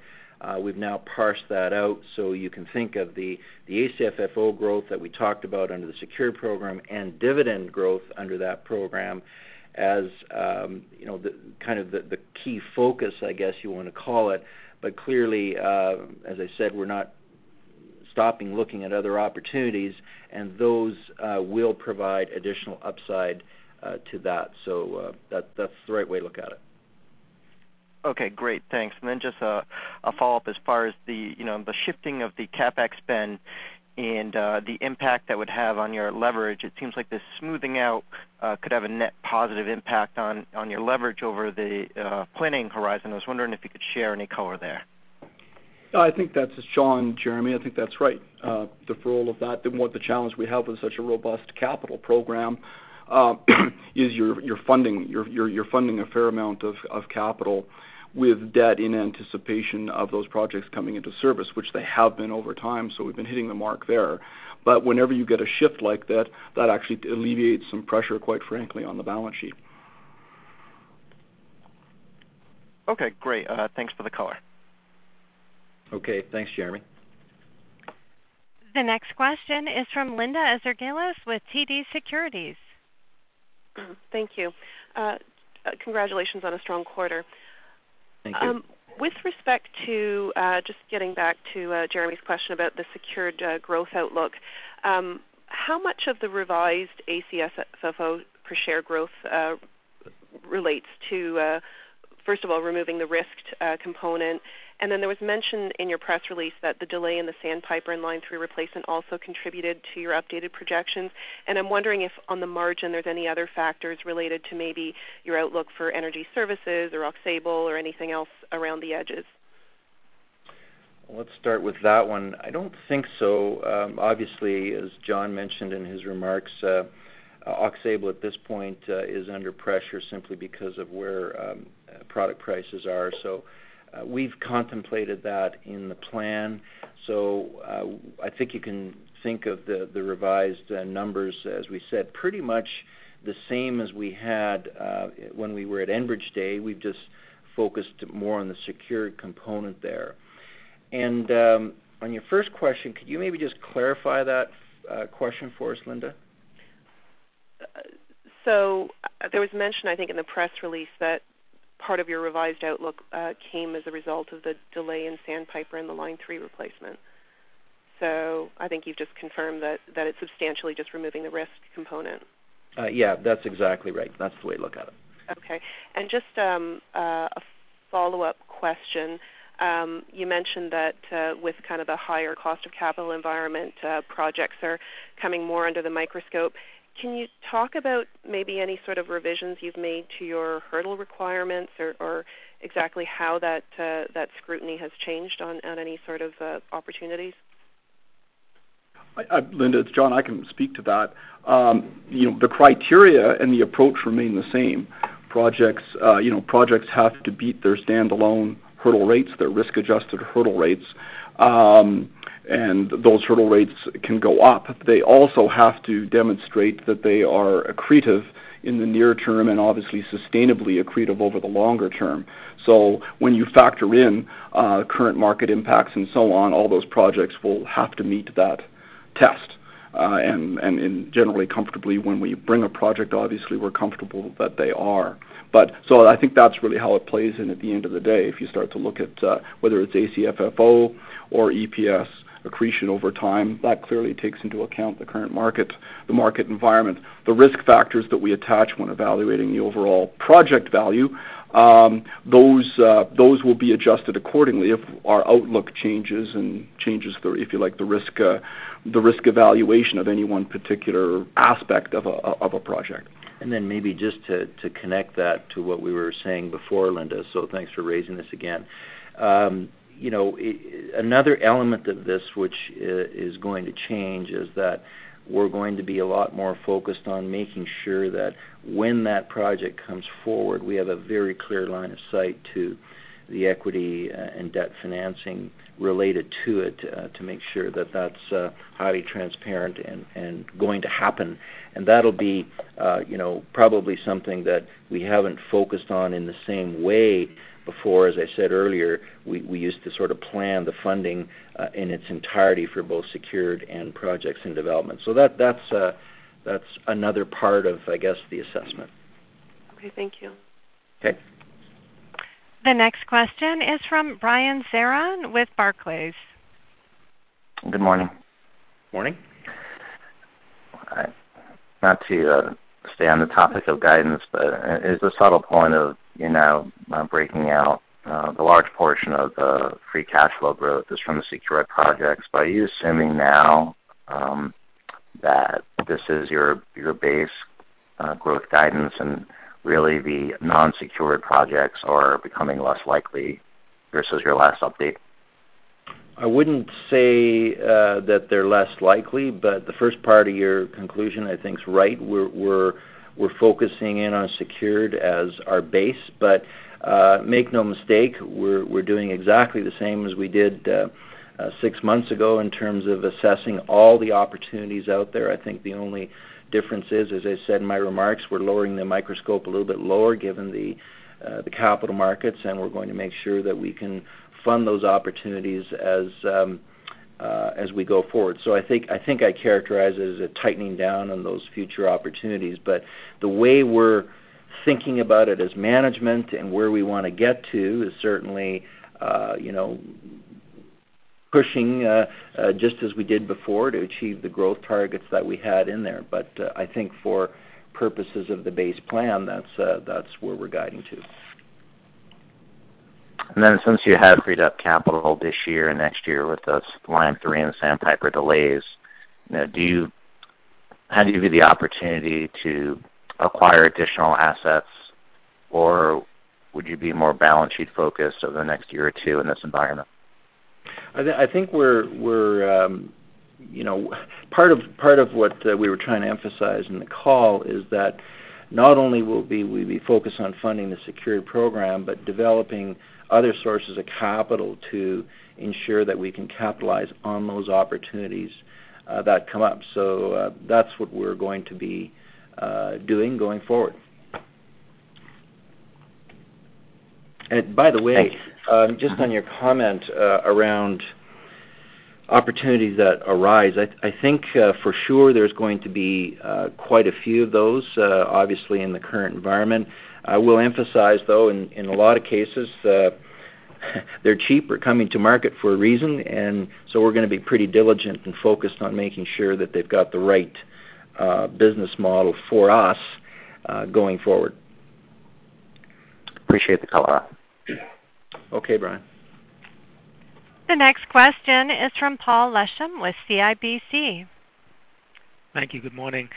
we've now parsed that out. So you can think of the ACFFO growth that we talked about under the secured program and dividend growth under that program as, you know, the kind of the key focus, I guess, you wanna call it. But clearly, as I said, we're not stopping looking at other opportunities, and those will provide additional upside to that. So, that's the right way to look at it. Okay, great. Thanks. And then just a follow-up as far as the, you know, the shifting of the CapEx spend and the impact that would have on your leverage. It seems like this smoothing out could have a net positive impact on your leverage over the planning horizon. I was wondering if you could share any color there. I think that's, John, Jeremy, I think that's right. The role of that, the more the challenge we have with such a robust capital program, is your, your funding. You're, you're funding a fair amount of, of capital with debt in anticipation of those projects coming into service, which they have been over time, so we've been hitting the mark there. But whenever you get a shift like that, that actually alleviates some pressure, quite frankly, on the balance sheet. Okay, great. Thanks for the color. Okay. Thanks, Jeremy. The next question is from Linda Ezergailis with TD Securities. Thank you. Congratulations on a strong quarter. Thank you. With respect to, just getting back to, Jeremy's question about the secured, growth outlook, how much of the revised ACFFO per share growth, relates to, first of all, removing the risked, component? And then there was mention in your press release that the delay in the Sandpiper and Line 3 Replacement also contributed to your updated projections. And I'm wondering if, on the margin, there's any other factors related to maybe your outlook for energy services or Aux Sable or anything else around the edges? Let's start with that one. I don't think so. Obviously, as John mentioned in his remarks, Aux Sable at this point is under pressure simply because of where product prices are. So, we've contemplated that in the plan. So, I think you can think of the, the revised numbers, as we said, pretty much the same as we had when we were at Enbridge Day. We've just focused more on the secured component there. And, on your first question, could you maybe just clarify that question for us, Linda? So there was mention, I think, in the press release, that part of your revised outlook came as a result of the delay in Sandpiper and the Line 3 Replacement. So I think you've just confirmed that, that it's substantially just removing the risk component. Yeah, that's exactly right. That's the way to look at it. Okay. And just, a follow-up question. You mentioned that, with kind of the higher cost of capital environment, projects are coming more under the microscope. Can you talk about maybe any sort of revisions you've made to your hurdle requirements or, or exactly how that, that scrutiny has changed on, on any sort of, opportunities? Linda, it's John. I can speak to that. You know, the criteria and the approach remain the same. Projects, projects have to beat their standalone hurdle rates, their risk-adjusted hurdle rates, and those hurdle rates can go up. They also have to demonstrate that they are accretive in the near term and obviously sustainably accretive over the longer term. So when you factor in current market impacts and so on, all those projects will have to meet that test. And generally comfortably, when we bring a project, obviously, we're comfortable that they are. But so I think that's really how it plays in at the end of the day, if you start to look at whether it's ACFFO or EPS accretion over time, that clearly takes into account the current market, the market environment. The risk factors that we attach when evaluating the overall project value, those, those will be adjusted accordingly if our outlook changes and changes the, if you like, the risk, the risk evaluation of any one particular aspect of a, of a project. And then maybe just to connect that to what we were saying before, Linda, so thanks for raising this again. You know, another element of this, which is going to change, is that we're going to be a lot more focused on making sure that when that project comes forward, we have a very clear line of sight to the equity and debt financing related to it, to make sure that that's highly transparent and going to happen. And that'll be, you know, probably something that we haven't focused on in the same way before. As I said earlier, we used to sort of plan the funding in its entirety for both secured and projects in development. So that's another part of, I guess, the assessment. Okay. Thank you. Okay. The next question is from Brian Zarnegin with Barclays. Good morning. Morning. Not to stay on the topic of guidance, but is the subtle point of, you know, not breaking out the large portion of the free cash flow growth is from the secured projects. But are you assuming now that this is your your base growth guidance, and really, the non-secured projects are becoming less likely versus your last update? I wouldn't say that they're less likely, but the first part of your conclusion, I think, is right. We're focusing in on secured as our base. But make no mistake, we're doing exactly the same as we did six months ago in terms of assessing all the opportunities out there. I think the only difference is, as I said in my remarks, we're lowering the microscope a little bit lower, given the capital markets, and we're going to make sure that we can fund those opportunities as we go forward. So I think I characterize it as a tightening down on those future opportunities. But the way we're thinking about it as management and where we wanna get to is certainly, you know, pushing, just as we did before, to achieve the growth targets that we had in there. But, I think for purposes of the base plan, that's, that's where we're guiding to. Then since you have freed up capital this year and next year with those Line 3 and Sandpiper delays, now how do you view the opportunity to acquire additional assets, or would you be more balance sheet-focused over the next year or two in this environment? I think we're, you know. Part of what we were trying to emphasize in the call is that not only will we be focused on funding the secured program, but developing other sources of capital to ensure that we can capitalize on those opportunities that come up. So, that's what we're going to be doing going forward. And by the way just on your comment, around opportunities that arise, I think, for sure there's going to be quite a few of those, obviously, in the current environment. I will emphasize, though, in a lot of cases, they're cheap or coming to market for a reason, and so we're gonna be pretty diligent and focused on making sure that they've got the right business model for us, going forward. Appreciate the color. Okay, Brian. The next question is from Paul Lechem with CIBC. Thank you. Good morning.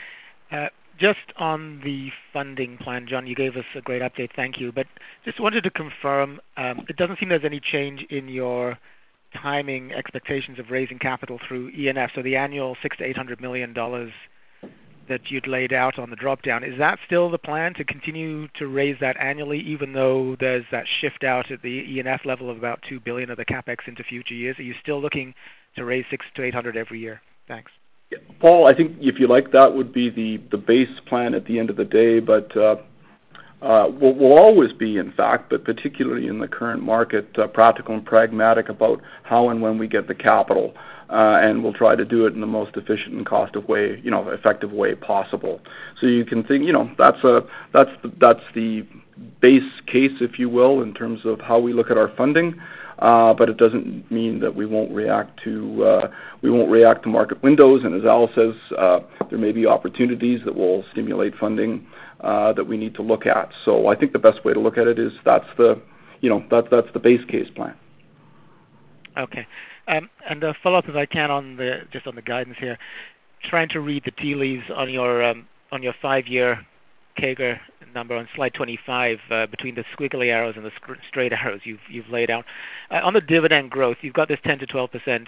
Just on the funding plan, John, you gave us a great update. Thank you. But just wanted to confirm, it doesn't seem there's any change in your timing expectations of raising capital through ENF. So the annual 600 million to 800 million dollars that you'd laid out on the dropdown, is that still the plan, to continue to raise that annually, even though there's that shift out at the ENF level of about 2 billion of the CapEx into future years? Are you still looking to raise 600-800 every year? Thanks. Paul, I think if you like, that would be the, the base plan at the end of the day. But, we'll always be, in fact, but particularly in the current market, practical and pragmatic about how and when we get the capital. And we'll try to do it in the most efficient and cost-effective way, you know, effective way possible. So you can think, you know, that's, that's the base case, if you will, in terms of how we look at our funding. But it doesn't mean that we won't react to market windows. And as Al says, there may be opportunities that will stimulate funding that we need to look at. So I think the best way to look at it is that's the, you know, that's, that's the base case plan. Okay. And to follow up, if I can, on the, just on the guidance here. Trying to read the tea leaves on your five-year CAGR number on slide 25, between the squiggly arrows and the straight arrows you've laid out. On the dividend growth, you've got this 10%-12%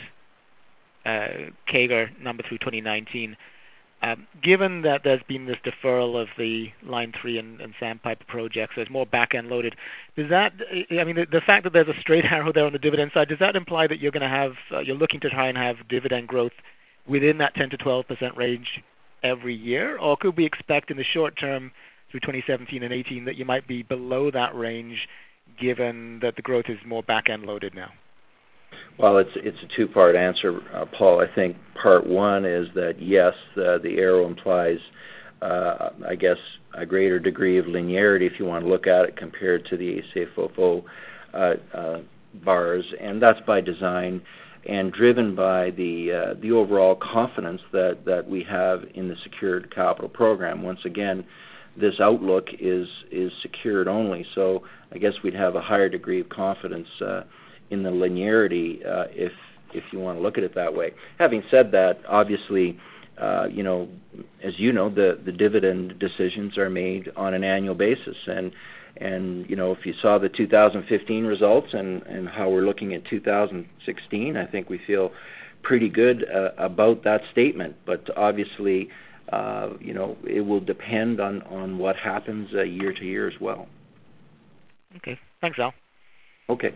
CAGR number through 2019. Given that there's been this deferral of the Line 3 and Sandpiper projects, there's more back-end loaded. Does that. I mean, the fact that there's a straight arrow there on the dividend side, does that imply that you're gonna have, you're looking to try and have dividend growth within that 10%-12% range every year? Or could we expect in the short term, through 2017 and 2018, that you might be below that range, given that the growth is more back-end loaded now? Well, it's a two-part answer, Paul. I think part one is that, yes, the arrow implies, I guess, a greater degree of linearity, if you want to look at it, compared to the say, FFO bars, and that's by design, and driven by the overall confidence that we have in the secured capital program. Once again, this outlook is secured only. So I guess we'd have a higher degree of confidence in the linearity, if you want to look at it that way. Having said that, obviously, you know, as you know, the dividend decisions are made on an annual basis. And, you know, if you saw the 2015 results and how we're looking at 2016, I think we feel pretty good about that statement. Obviously, you know, it will depend on what happens, year to year as well. Okay. Thanks, Al. Okay.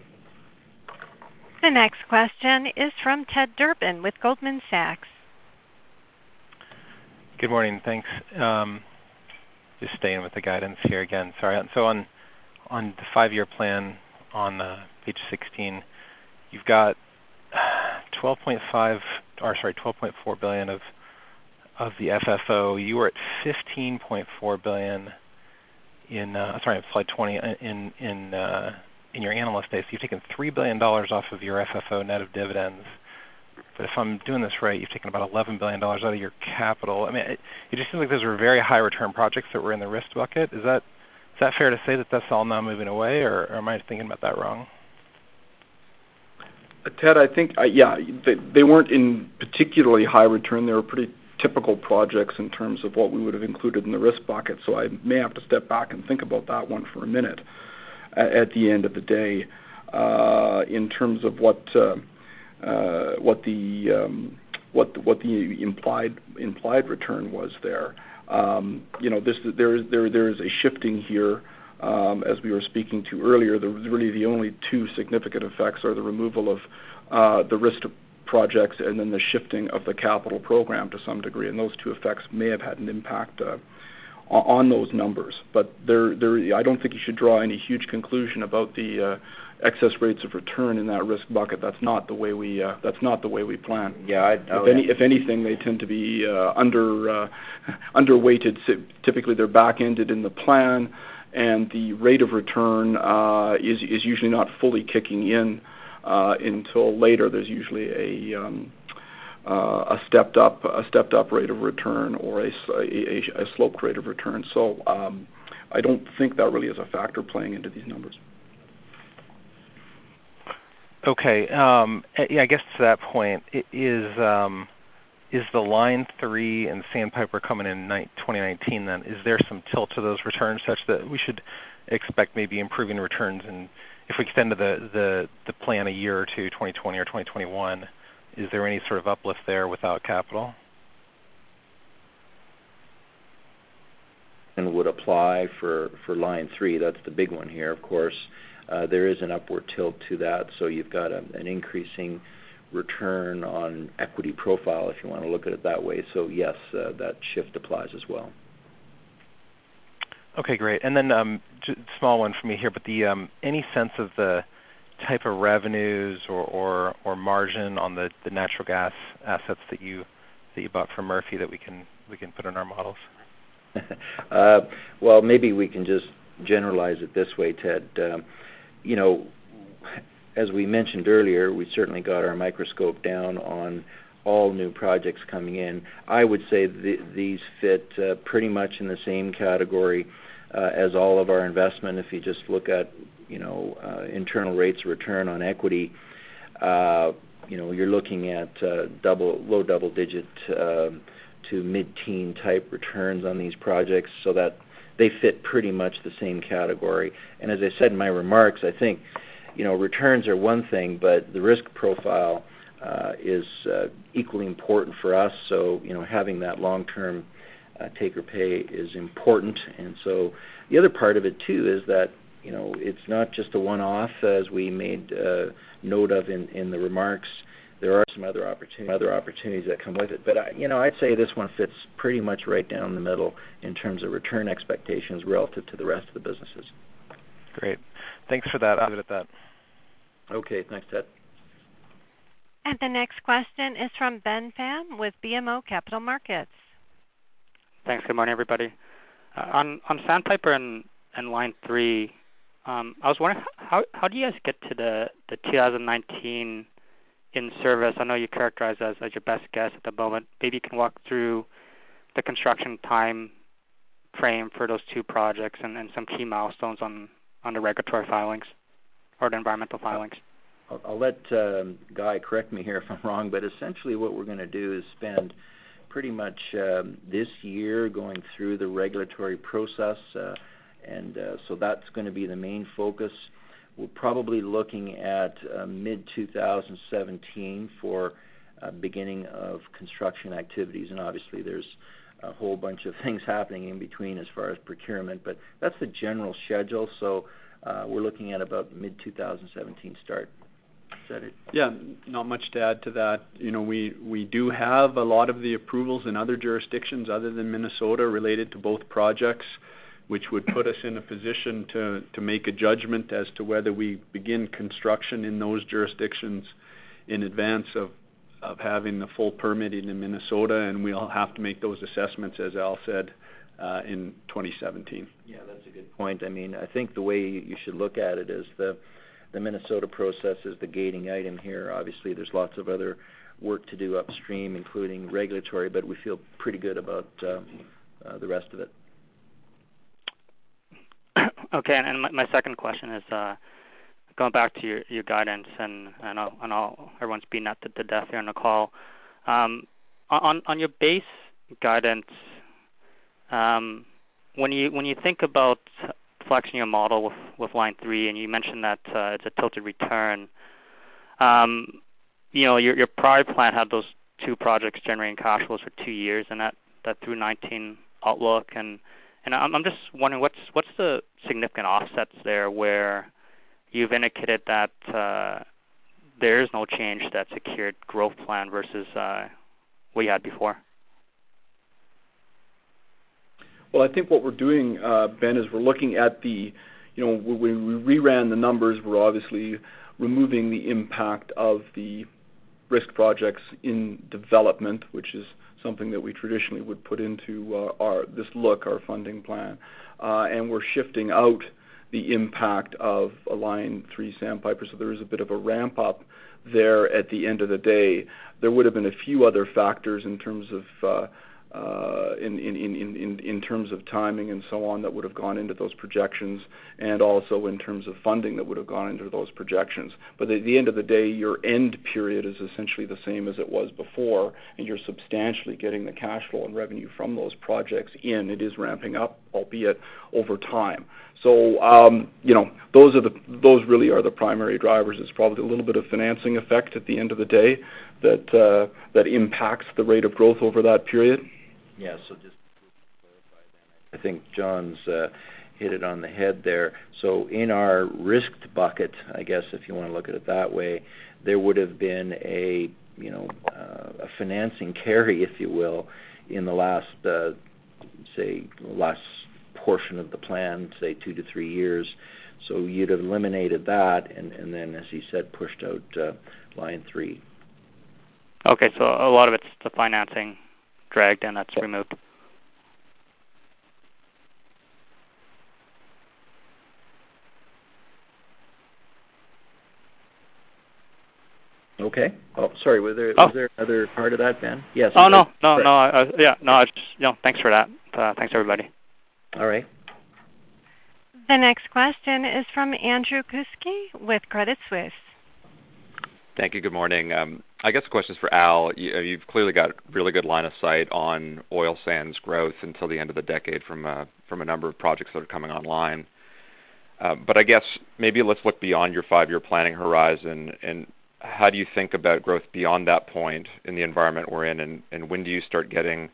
The next question is from Ted Durbin with Goldman Sachs. Good morning, thanks. Just staying with the guidance here again. Sorry. So on the 5-year plan on page 16, you've got 12.5, or sorry, $12.4 billion of the FFO. You were at $15.4 billion. Sorry, on slide 20, in your analyst base, you've taken $3 billion off of your FFO, net of dividends. But if I'm doing this right, you've taken about $11 billion out of your capital. I mean, it just seems like those are very high return projects that were in the risk bucket. Is that fair to say that that's all now moving away, or am I thinking about that wrong? Ted, I think, yeah, they, they weren't in particularly high return. They were pretty typical projects in terms of what we would have included in the risk bucket. So I may have to step back and think about that one for a minute. At the end of the day, in terms of what the implied, implied return was there. You know, there is a shifting here, as we were speaking to earlier. There was really the only two significant effects are the removal of the risked projects and then the shifting of the capital program to some degree. And those two effects may have had an impact on those numbers. But there, I don't think you should draw any huge conclusion about the excess rates of return in that risk bucket. That's not the way we, that's not the way we plan. Yeah, I- If any, if anything, they tend to be underweighted. Typically, they're back-ended in the plan, and the rate of return is usually not fully kicking in until later. There's usually a stepped up rate of return or a sloped rate of return. So, I don't think that really is a factor playing into these numbers. Okay, yeah, I guess to that point, it is, is the Line 3 and Sandpiper coming in 2019 then? Is there some tilt to those returns such that we should expect maybe improving returns? And if we extend the plan a year or two, 2020 or 2021, is there any sort of uplift there without capital? Would apply for Line 3. That's the big one here, of course. There is an upward tilt to that, so you've got an increasing return on equity profile, if you want to look at it that way. So yes, that shift applies as well. Okay, great. And then, just small one for me here, but the, any sense of the type of revenues or margin on the natural gas assets that you bought from Murphy, that we can put in our models? Well, maybe we can just generalize it this way, Ted. You know, as we mentioned earlier, we've certainly got our microscope down on all new projects coming in. I would say these fit pretty much in the same category as all of our investment. If you just look at, you know, internal rates of return on equity, you know, you're looking at double- low double digit to mid-teen type returns on these projects, so that they fit pretty much the same category. And as I said in my remarks, I think, you know, returns are one thing, but the risk profile is equally important for us. So, you know, having that long-term take or pay is important. And so the other part of it, too, is that, you know, it's not just a one-off, as we made note of in the remarks. There are some other opportunity, other opportunities that come with it. But I, you know, I'd say this one fits pretty much right down the middle in terms of return expectations relative to the rest of the businesses. Great. Thanks for that. I'll end it at that. Okay, thanks, Ted. The next question is from Ben Pham with BMO Capital Markets. Thanks. Good morning, everybody. On Sandpiper and Line 3, I was wondering, how do you guys get to the 2019 in service? I know you characterized it as your best guess at the moment. Maybe you can walk through the construction time frame for those two projects and some key milestones on the regulatory filings or the environmental filings. I'll let Guy correct me here if I'm wrong, but essentially, what we're gonna do is spend pretty much this year going through the regulatory process. And so that's gonna be the main focus. We're probably looking at mid-2017 for beginning of construction activities. And obviously, there's a whole bunch of things happening in between as far as procurement, but that's the general schedule. So, we're looking at about mid-2017 start. Is that it? Yeah, not much to add to that. You know, we do have a lot of the approvals in other jurisdictions other than Minnesota, related to both projects, which would put us in a position to make a judgment as to whether we begin construction in those jurisdictions in advance of having the full permit in Minnesota, and we'll have to make those assessments, as Al said, in 2017. Yeah, that's a good point. I mean, I think the way you should look at it is the Minnesota process is the gating item here. Obviously, there's lots of other work to do upstream, including regulatory, but we feel pretty good about the rest of it. Okay. My second question is going back to your guidance, and I know, and I'll, everyone's beaten up to death here on the call. On your base guidance, when you think about flexing your model with Line 3, and you mentioned that it's a tilted return. You know, your prior plan had those two projects generating cash flows for two years, and that through 2019 outlook. I'm just wondering, what's the significant offsets there, where you've indicated that there is no change to that secured growth plan versus what you had before? Well, I think what we're doing, Ben, is we're looking at the. You know, when we reran the numbers, we're obviously removing the impact of the risk projects in development, which is something that we traditionally would put into our this look, our funding plan. And we're shifting out the impact of Line 3, Sandpiper, so there is a bit of a ramp-up there at the end of the day. There would've been a few other factors in terms of timing and so on, that would've gone into those projections, and also in terms of funding that would have gone into those projections. But at the end of the day, your end period is essentially the same as it was before, and you're substantially getting the cash flow and revenue from those projects in. It is ramping up, albeit over time. So, you know, those are the, those really are the primary drivers. It's probably a little bit of financing effect at the end of the day that, that impacts the rate of growth over that period. Yeah, so just to clarify, I think John's hit it on the head there. So in our risked bucket, I guess, if you wanna look at it that way, there would've been a, you know, a financing carry, if you will, in the last, say, last portion of the plan, say, 2-3 years. So you'd have eliminated that, and, and then, as you said, pushed out, Line 3. Okay. So a lot of it's the financing drag, and that's removed? Okay. Oh, sorry, was there. Oh. Was there another part of that, Ben? Yes. Oh, no. No, no, yeah. No. Yeah, thanks for that. Thanks, everybody. All right. The next question is from Andrew Kuske with Credit Suisse. Thank you. Good morning. I guess the question is for Al. You've clearly got really good line of sight on oil sands growth until the end of the decade from, from a number of projects that are coming online. But I guess maybe let's look beyond your five-year planning horizon, and how do you think about growth beyond that point in the environment we're in? And when do you start getting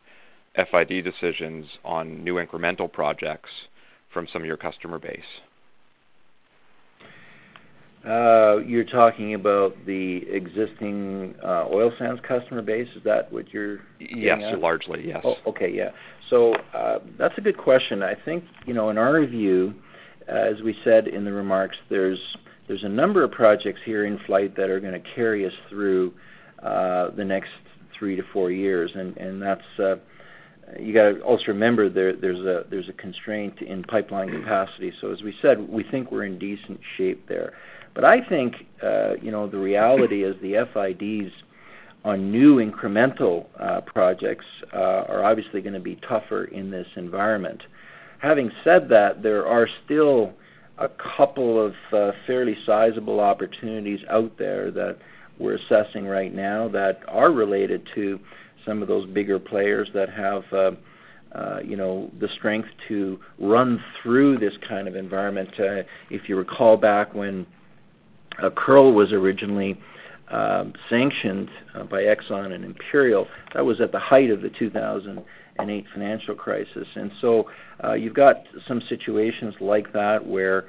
FID decisions on new incremental projects from some of your customer base? You're talking about the existing oil sands customer base? Is that what you're getting at? Yes, largely, yes. Oh, okay. Yeah. So, that's a good question. I think, you know, in our view, as we said in the remarks, there's a number of projects here in flight that are gonna carry us through the next 3-4 years. And that's, you gotta also remember there, there's a constraint in pipeline capacity. So as we said, we think we're in decent shape there. But I think, you know, the reality is the FIDs on new incremental projects are obviously gonna be tougher in this environment. Having said that, there are still a couple of fairly sizable opportunities out there that we're assessing right now that are related to some of those bigger players that have, you know, the strength to run through this kind of environment. If you recall back when Kearl was originally sanctioned by Exxon and Imperial, that was at the height of the 2008 financial crisis. And so, you've got some situations like that, where,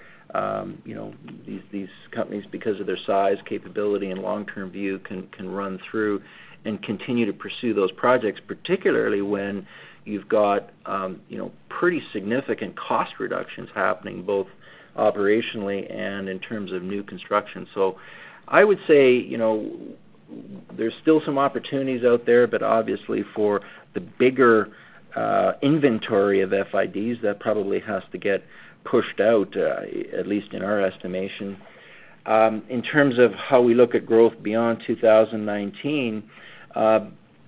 you know, these, these companies, because of their size, capability, and long-term view, can, can run through and continue to pursue those projects, particularly when you've got, you know, pretty significant cost reductions happening, both operationally and in terms of new construction. So I would say, you know There's still some opportunities out there, but obviously, for the bigger inventory of FIDs, that probably has to get pushed out, at least in our estimation. In terms of how we look at growth beyond 2019,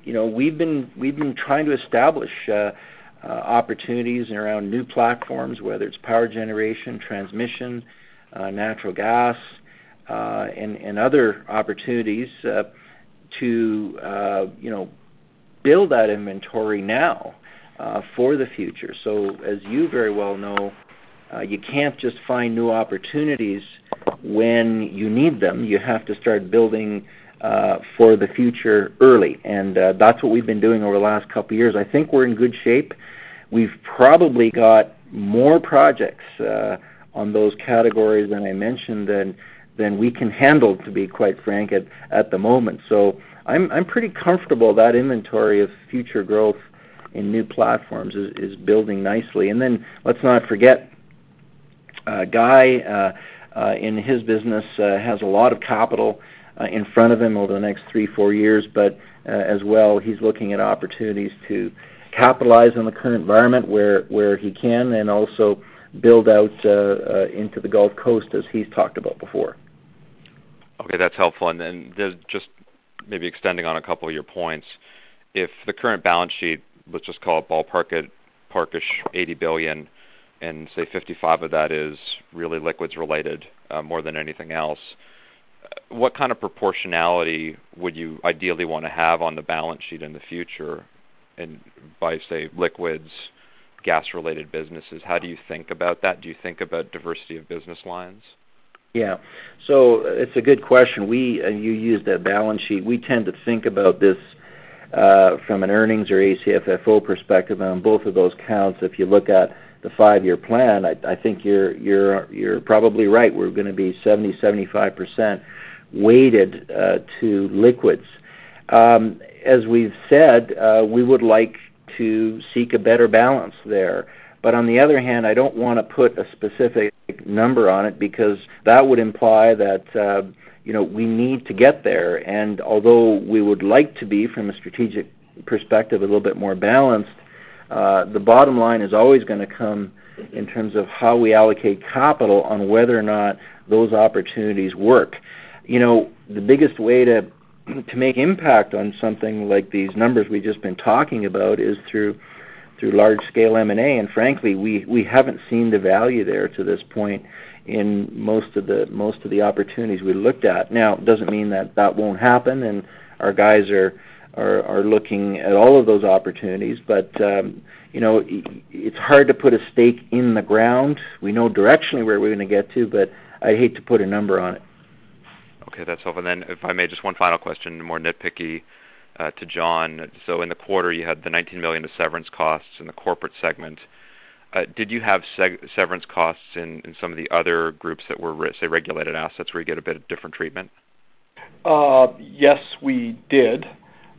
you know, we've been trying to establish opportunities around new platforms, whether it's power generation, transmission, natural gas, and other opportunities, to you know, build that inventory now for the future. So as you very well know, you can't just find new opportunities when you need them. You have to start building for the future early, and that's what we've been doing over the last couple of years. I think we're in good shape. We've probably got more projects on those categories than I mentioned than we can handle, to be quite frank, at the moment. So I'm pretty comfortable that inventory of future growth in new platforms is building nicely. And then, let's not forget, Guy, in his business, has a lot of capital in front of him over the next 3-4 years. But, as well, he's looking at opportunities to capitalize on the current environment where he can, and also build out into the Gulf Coast, as he's talked about before. Okay, that's helpful. And then just maybe extending on a couple of your points. If the current balance sheet, let's just call it ballpark it, roughly 80 billion, and say 55 billion of that is really liquids related, more than anything else, what kind of proportionality would you ideally want to have on the balance sheet in the future? And by, say, liquids, gas-related businesses, how do you think about that? Do you think about diversity of business lines? Yeah. So it's a good question. We and you used that balance sheet, we tend to think about this from an earnings or ACFFO perspective. On both of those counts, if you look at the five-year plan, I think you're probably right. We're gonna be 70%-75% weighted to liquids. As we've said, we would like to seek a better balance there. But on the other hand, I don't want to put a specific number on it because that would imply that you know, we need to get there. And although we would like to be, from a strategic perspective, a little bit more balanced, the bottom line is always gonna come in terms of how we allocate capital on whether or not those opportunities work. You know, the biggest way to make impact on something like these numbers we've just been talking about is through large-scale M&A. Frankly, we haven't seen the value there to this point in most of the opportunities we looked at. Now, it doesn't mean that that won't happen, and our guys are looking at all of those opportunities. But you know, it's hard to put a stake in the ground. We know directionally where we're gonna get to, but I hate to put a number on it. Okay, that's all. And then, if I may, just one final question, more nitpicky, to John. So in the quarter, you had the 19 million of severance costs in the corporate segment. Did you have severance costs in, in some of the other groups that were, say, regulated assets, where you get a bit of different treatment? Yes, we did.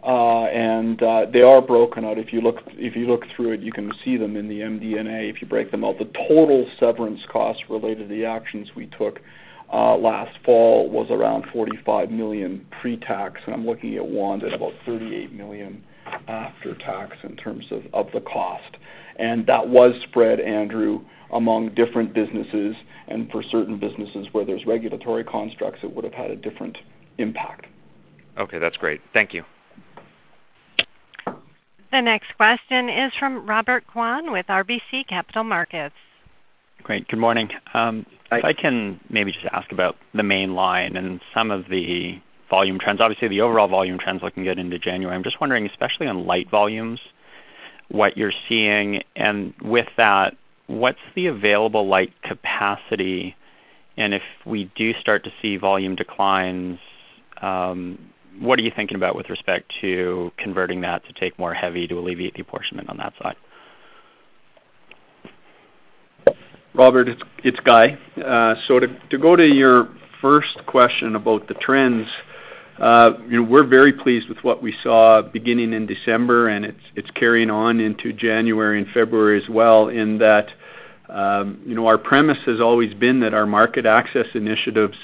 They are broken out. If you look through it, you can see them in the MD&A. If you break them out, the total severance costs related to the actions we took last fall was around 45 million pre-tax, and I'm looking at Vern, that about 38 million after tax in terms of the cost. That was spread, Andrew, among different businesses, and for certain businesses where there's regulatory constructs, it would have had a different impact. Okay, that's great. Thank you. The next question is from Robert Kwan with RBC Capital Markets. Great. Good morning. If I can maybe just ask about the Mainline and some of the volume trends. Obviously, the overall volume trends looking good into January. I'm just wondering, especially on light volumes, what you're seeing. And with that, what's the available light capacity? And if we do start to see volume declines, what are you thinking about with respect to converting that to take more heavy to alleviate the apportionment on that side? Robert, it's Guy. So to go to your first question about the trends, you know, we're very pleased with what we saw beginning in December, and it's carrying on into January and February as well, in that, you know, our premise has always been that our market access initiatives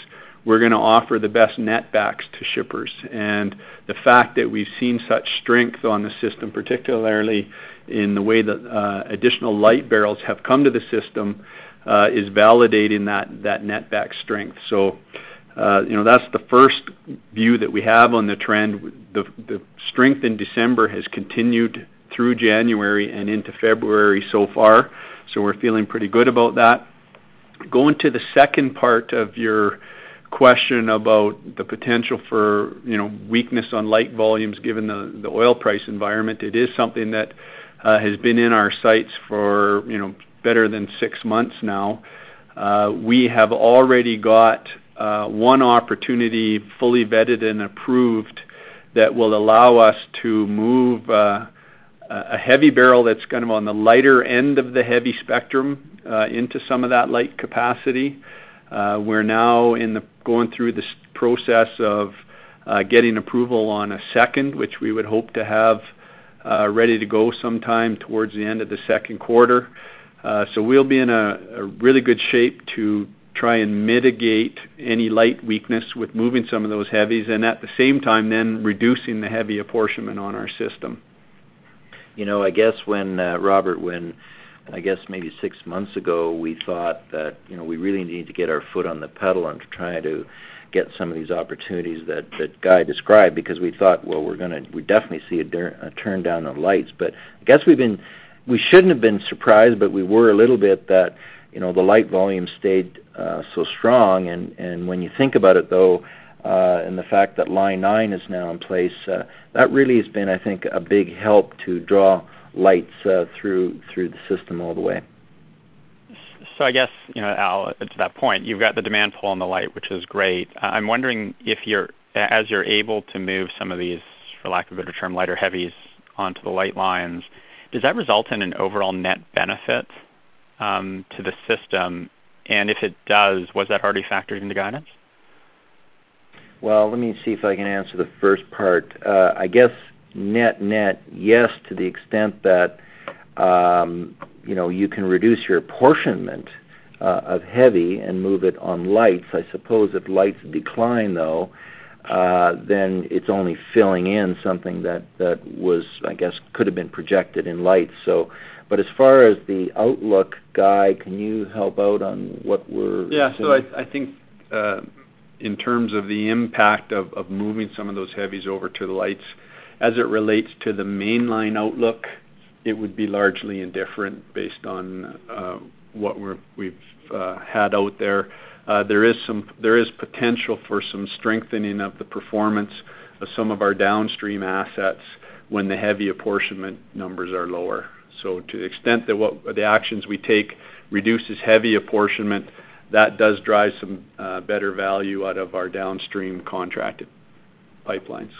were gonna offer the best netbacks to shippers. And the fact that we've seen such strength on the system, particularly in the way that additional light barrels have come to the system, is validating that netback strength. So, you know, that's the first view that we have on the trend. The strength in December has continued through January and into February so far, so we're feeling pretty good about that. Going to the second part of your question about the potential for, you know, weakness on light volumes, given the oil price environment, it is something that has been in our sights for, you know, better than six months now. We have already got one opportunity fully vetted and approved that will allow us to move a heavy barrel that's kind of on the lighter end of the heavy spectrum into some of that light capacity. We're now going through this process of getting approval on a second, which we would hope to have ready to go sometime towards the end of the second quarter. So we'll be in a really good shape to try and mitigate any light weakness with moving some of those heavies, and at the same time, then reducing the heavy apportionment on our system. You know, I guess when, Robert, when, I guess maybe six months ago, we thought that, you know, we really needed to get our foot on the pedal and to try to get some of these opportunities that, that Guy described, because we thought, well, we're gonna, we definitely see a downturn on lights. But I guess we've been, we shouldn't have been surprised, but we were a little bit that, you know, the light volume stayed so strong. And when you think about it, though, and the fact that Line 9 is now in place, that really has been, I think, a big help to draw lights through the system all the way. So I guess, you know, Al, to that point, you've got the demand pull on the light, which is great. I'm wondering if you're, as you're able to move some of these, for lack of a better term, lighter heavies onto the light lines, does that result in an overall net benefit to the system? And if it does, was that already factored into guidance? Well, let me see if I can answer the first part. I guess net, net, yes, to the extent that, you know, you can reduce your apportionment of heavy and move it on lights. I suppose if lights decline, though, then it's only filling in something that was, I guess, could have been projected in light. So but as far as the outlook, Guy, can you help out on what we're. Yeah. So I think, in terms of the impact of moving some of those heavies over to the lights, as it relates to the Mainline outlook, it would be largely indifferent based on what we've had out there. There is potential for some strengthening of the performance of some of our downstream assets when the heavy apportionment numbers are lower. So to the extent that what the actions we take reduces heavy apportionment, that does drive some better value out of our downstream contracted pipelines.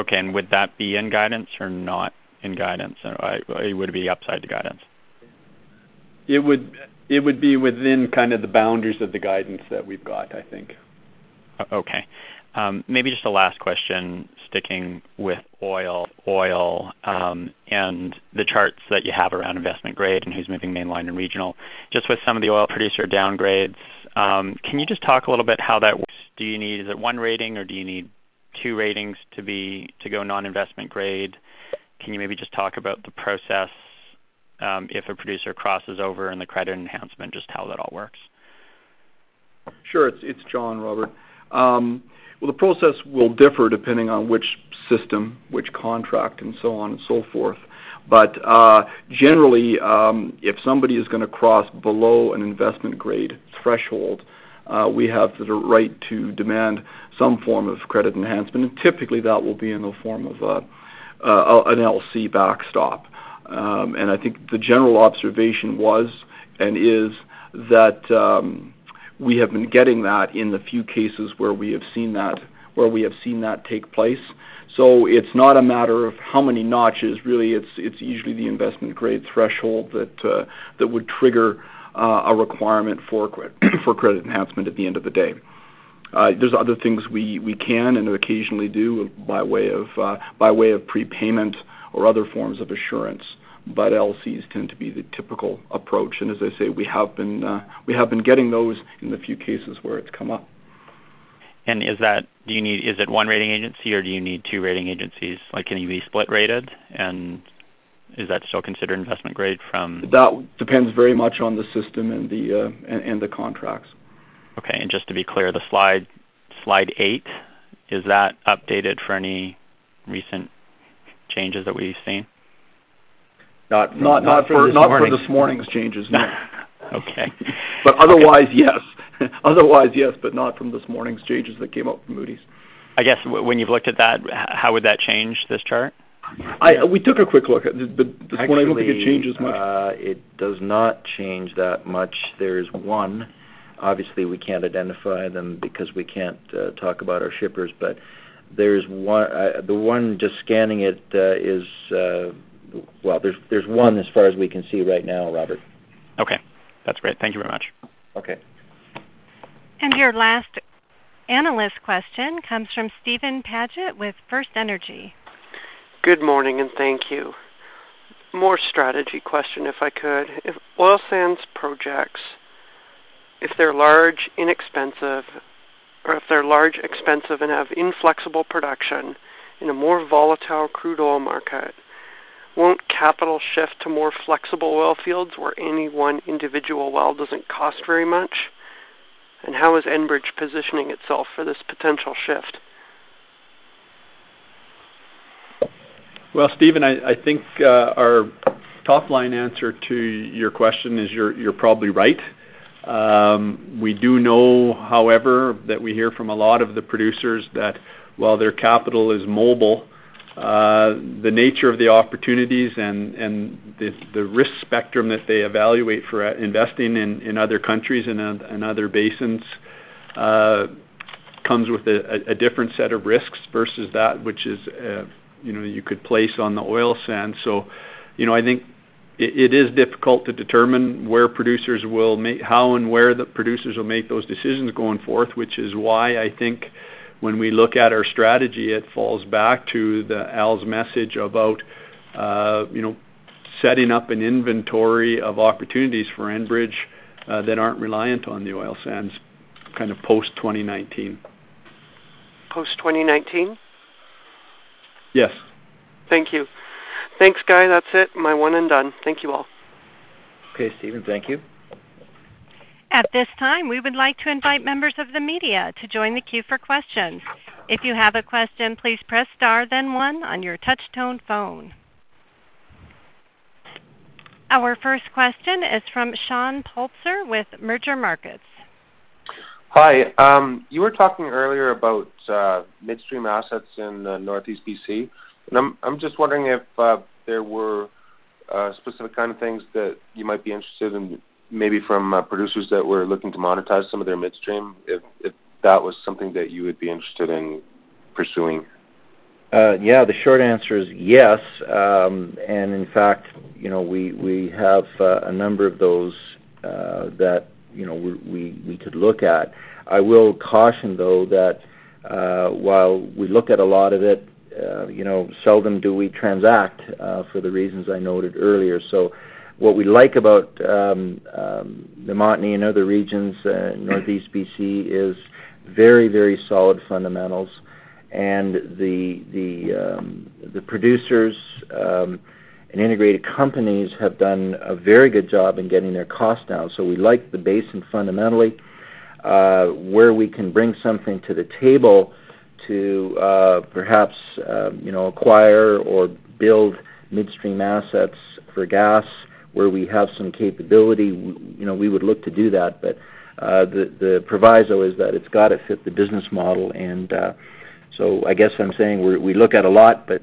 Okay. And would that be in guidance or not in guidance? Or it would be upside to guidance? It would, it would be within kind of the boundaries of the guidance that we've got, I think. Okay. Maybe just a last question, sticking with oil. Oil, and the charts that you have around investment-grade and who's moving Mainline and regional. Just with some of the oil producer downgrades, can you just talk a little bit how that works? Do you need, is it one rating, or do you need two ratings to be to go non-investment-grade? Can you maybe just talk about the process, if a producer crosses over and the credit enhancement, just how that all works? Sure. It's, it's John, Robert. Well, the process will differ depending on which system, which contract, and so on and so forth. But, generally, if somebody is gonna cross below an investment-grade threshold, we have the right to demand some form of credit enhancement, and typically that will be in the form of, an LC backstop. And I think the general observation was and is that, we have been getting that in the few cases where we have seen that, where we have seen that take place. So it's not a matter of how many notches, really, it's, it's usually the investment-grade threshold that, that would trigger, a requirement for credit enhancement at the end of the day. There's other things we can and occasionally do by way of prepayment or other forms of assurance, but LCs tend to be the typical approach. And as I say, we have been getting those in the few cases where it's come up. Is it one rating agency, or do you need two rating agencies? Like, can you be split-rated, and is that still considered investment grade from- That depends very much on the system and the contracts. Okay. Just to be clear, the slide eight, is that updated for any recent changes that we've seen? Not from. Not for this morning's changes, no. Okay. But otherwise, yes. Otherwise, yes, but not from this morning's changes that came out from Moody's. I guess when you've looked at that, how would that change this chart? We took a quick look at it, but actually, I don't think it changes much. It does not change that much. There's one, obviously, we can't identify them because we can't talk about our shippers, but there's one—the one, just scanning it, is... Well, there's one as far as we can see right now, Robert. Okay. That's great. Thank you very much. Okay. Your last analyst question comes from Steven Paget with FirstEnergy. Good morning, and thank you. More strategy question, if I could. If oil sands projects, if they're large, inexpensive, or if they're large, expensive, and have inflexible production in a more volatile crude oil market, won't capital shift to more flexible oil fields where any one individual well doesn't cost very much? And how is Enbridge positioning itself for this potential shift? Well, Steven, I think our top-line answer to your question is you're probably right. We do know, however, that we hear from a lot of the producers that while their capital is mobile, the nature of the opportunities and the risk spectrum that they evaluate for investing in other countries and other basins comes with a different set of risks versus that which is, you know, you could place on the oil sands. So, you know, I think it is difficult to determine how and where the producers will make those decisions going forth, which is why I think when we look at our strategy, it falls back to Al's message about, you know, setting up an inventory of opportunities for Enbridge, that aren't reliant on the oil sands kind of post-2019. Post-2019? Yes. Thank you. Thanks, Guy. That's it, my one and done. Thank you all. Okay, Steven, thank you. At this time, we would like to invite members of the media to join the queue for questions. If you have a question, please press star, then one on your touchtone phone. Our first question is from Shaun Polczer with Mergermarket. Hi, you were talking earlier about midstream assets in Northeast BC. And I'm just wondering if there were specific kind of things that you might be interested in, maybe from producers that were looking to monetize some of their midstream, if that was something that you would be interested in pursuing? Yeah, the short answer is yes. And in fact, you know, we have a number of those that, you know, we could look at. I will caution, though, that while we look at a lot of it, you know, seldom do we transact for the reasons I noted earlier. So what we like about the Montney and other regions, Northeast BC, is very, very solid fundamentals. And the producers and integrated companies have done a very good job in getting their costs down. So we like the basin fundamentally. Where we can bring something to the table to perhaps, you know, acquire or build midstream assets for gas, where we have some capability, you know, we would look to do that. But, the proviso is that it's got to fit the business model. And, so I guess I'm saying we look at a lot, but,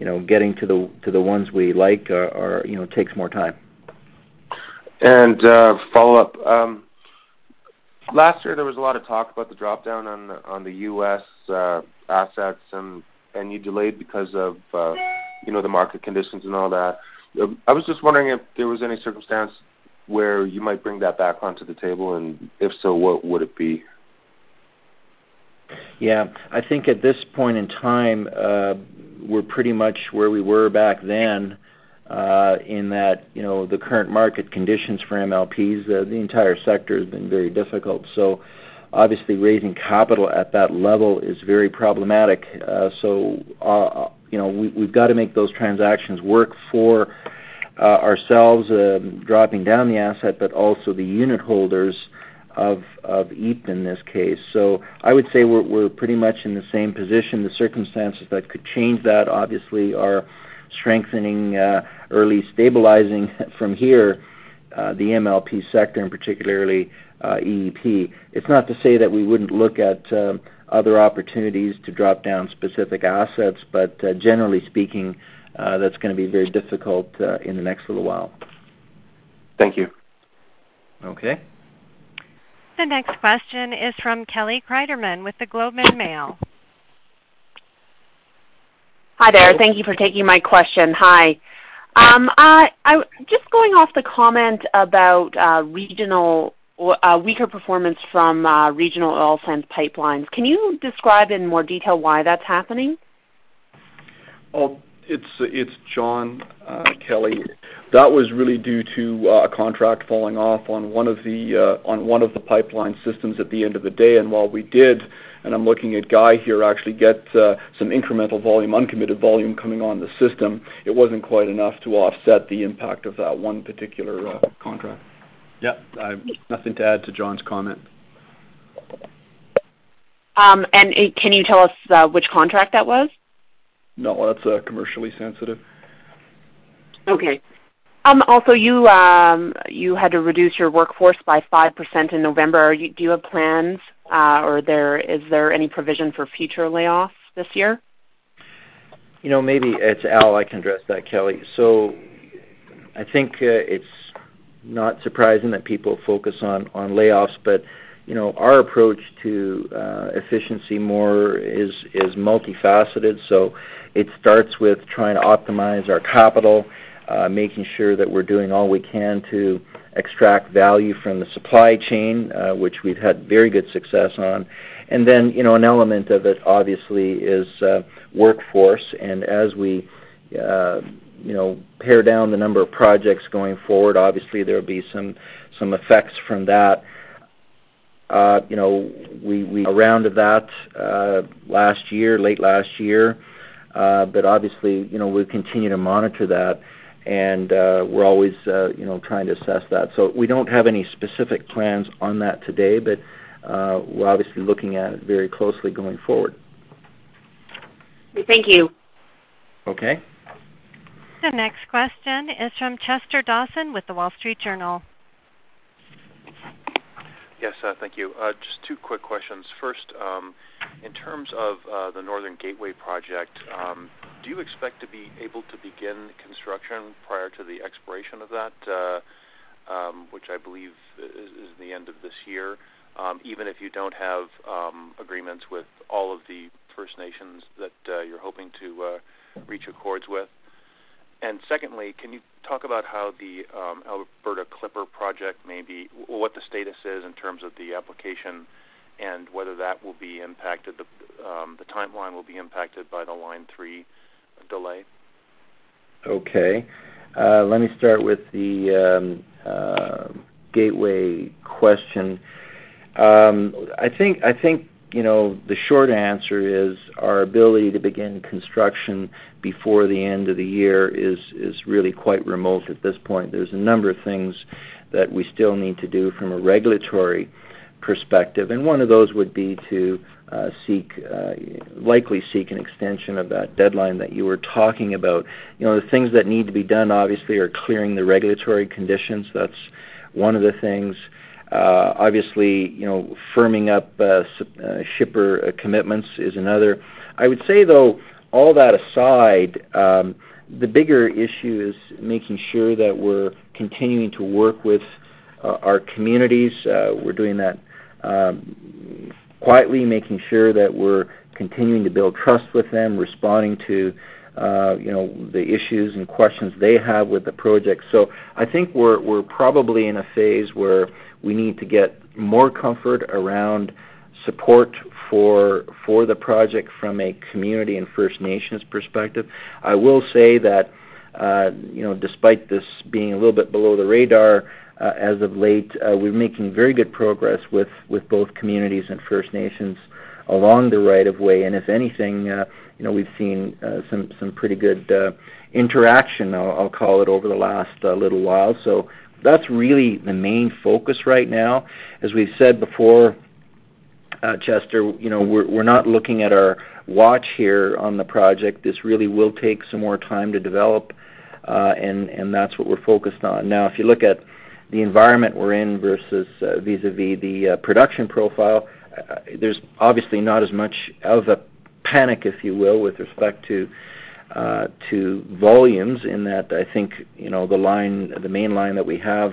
you know, getting to the ones we like, are, you know, takes more time. Follow-up. Last year, there was a lot of talk about the drop-down on the, on the U.S. assets, and you delayed because of, you know, the market conditions and all that. I was just wondering if there was any circumstance where you might bring that back onto the table, and if so, what would it be? Yeah. I think at this point in time, we're pretty much where we were back then, in that, you know, the current market conditions for MLPs, the entire sector has been very difficult. So obviously, raising capital at that level is very problematic. So, you know, we, we've got to make those transactions work for, ourselves, dropping down the asset, but also the unitholders of EEP in this case. So I would say we're, we're pretty much in the same position. The circumstances that could change that, obviously, are strengthening, early stabilizing from here, the MLP sector, and particularly, EEP. It's not to say that we wouldn't look at, other opportunities to drop down specific assets, but, generally speaking, that's gonna be very difficult, in the next little while. Thank you. Okay. The next question is from Kelly Cryderman with the Globe and Mail. Hi there. Hi. Thank you for taking my question. Hi. Just going off the comment about regional or weaker performance from regional oil sands pipelines, can you describe in more detail why that's happening? Well, it's, it's John, Kelly. That was really due to, a contract falling off on one of the, on one of the pipeline systems at the end of the day. And while we did, and I'm looking at Guy here, actually get, some incremental volume, uncommitted volume coming on the system, it wasn't quite enough to offset the impact of that one particular, contract. Yep, I've nothing to add to John's comment. Can you tell us which contract that was? No, that's commercially sensitive. Okay. Also, you had to reduce your workforce by 5% in November. Do you have plans, or is there any provision for future layoffs this year? You know, maybe it's Al, I can address that, Kelly. So I think it's not surprising that people focus on layoffs, but you know, our approach to efficiency more is multifaceted. So it starts with trying to optimize our capital, making sure that we're doing all we can to extract value from the supply chain, which we've had very good success on. And then, you know, an element of it, obviously, is workforce. And as we you know, pare down the number of projects going forward, obviously, there'll be some effects from that. You know, we were aware of that last year, late last year. But obviously, you know, we'll continue to monitor that, and we're always you know, trying to assess that. We don't have any specific plans on that today, but we're obviously looking at it very closely going forward. Thank you. Okay. The next question is from Chester Dawson with the Wall Street Journal. Yes, thank you. Just two quick questions. First, in terms of the Northern Gateway project, do you expect to be able to begin construction prior to the expiration of that, which I believe is the end of this year, even if you don't have agreements with all of the First Nations that you're hoping to reach accords with? And secondly, can you talk about how the Alberta Clipper project may be—what the status is in terms of the application and whether that will be impacted, the timeline will be impacted by the Line 3 delay? Okay, let me start with the gateway question. I think, you know, the short answer is our ability to begin construction before the end of the year is really quite remote at this point. There's a number of things that we still need to do from a regulatory perspective, and one of those would be to likely seek an extension of that deadline that you were talking about. You know, the things that need to be done, obviously, are clearing the regulatory conditions. That's one of the things. Obviously, you know, firming up shipper commitments is another. I would say, though, all that aside, the bigger issue is making sure that we're continuing to work with our communities. We're doing that quietly, making sure that we're continuing to build trust with them, responding to, you know, the issues and questions they have with the project. So I think we're probably in a phase where we need to get more comfort around support for the project from a community and First Nations perspective. I will say that, you know, despite this being a little bit below the radar, as of late, we're making very good progress with both communities and First Nations along the right of way. And if anything, you know, we've seen some pretty good interaction, I'll call it, over the last little while. So that's really the main focus right now. As we've said before, Chester, you know, we're not looking at our watch here on the project. This really will take some more time to develop, and that's what we're focused on. Now, if you look at the environment we're in versus vis-a-vis the production profile, there's obviously not as much of a panic, if you will, with respect to to volumes in that I think, you know, the line, the Mainline that we have,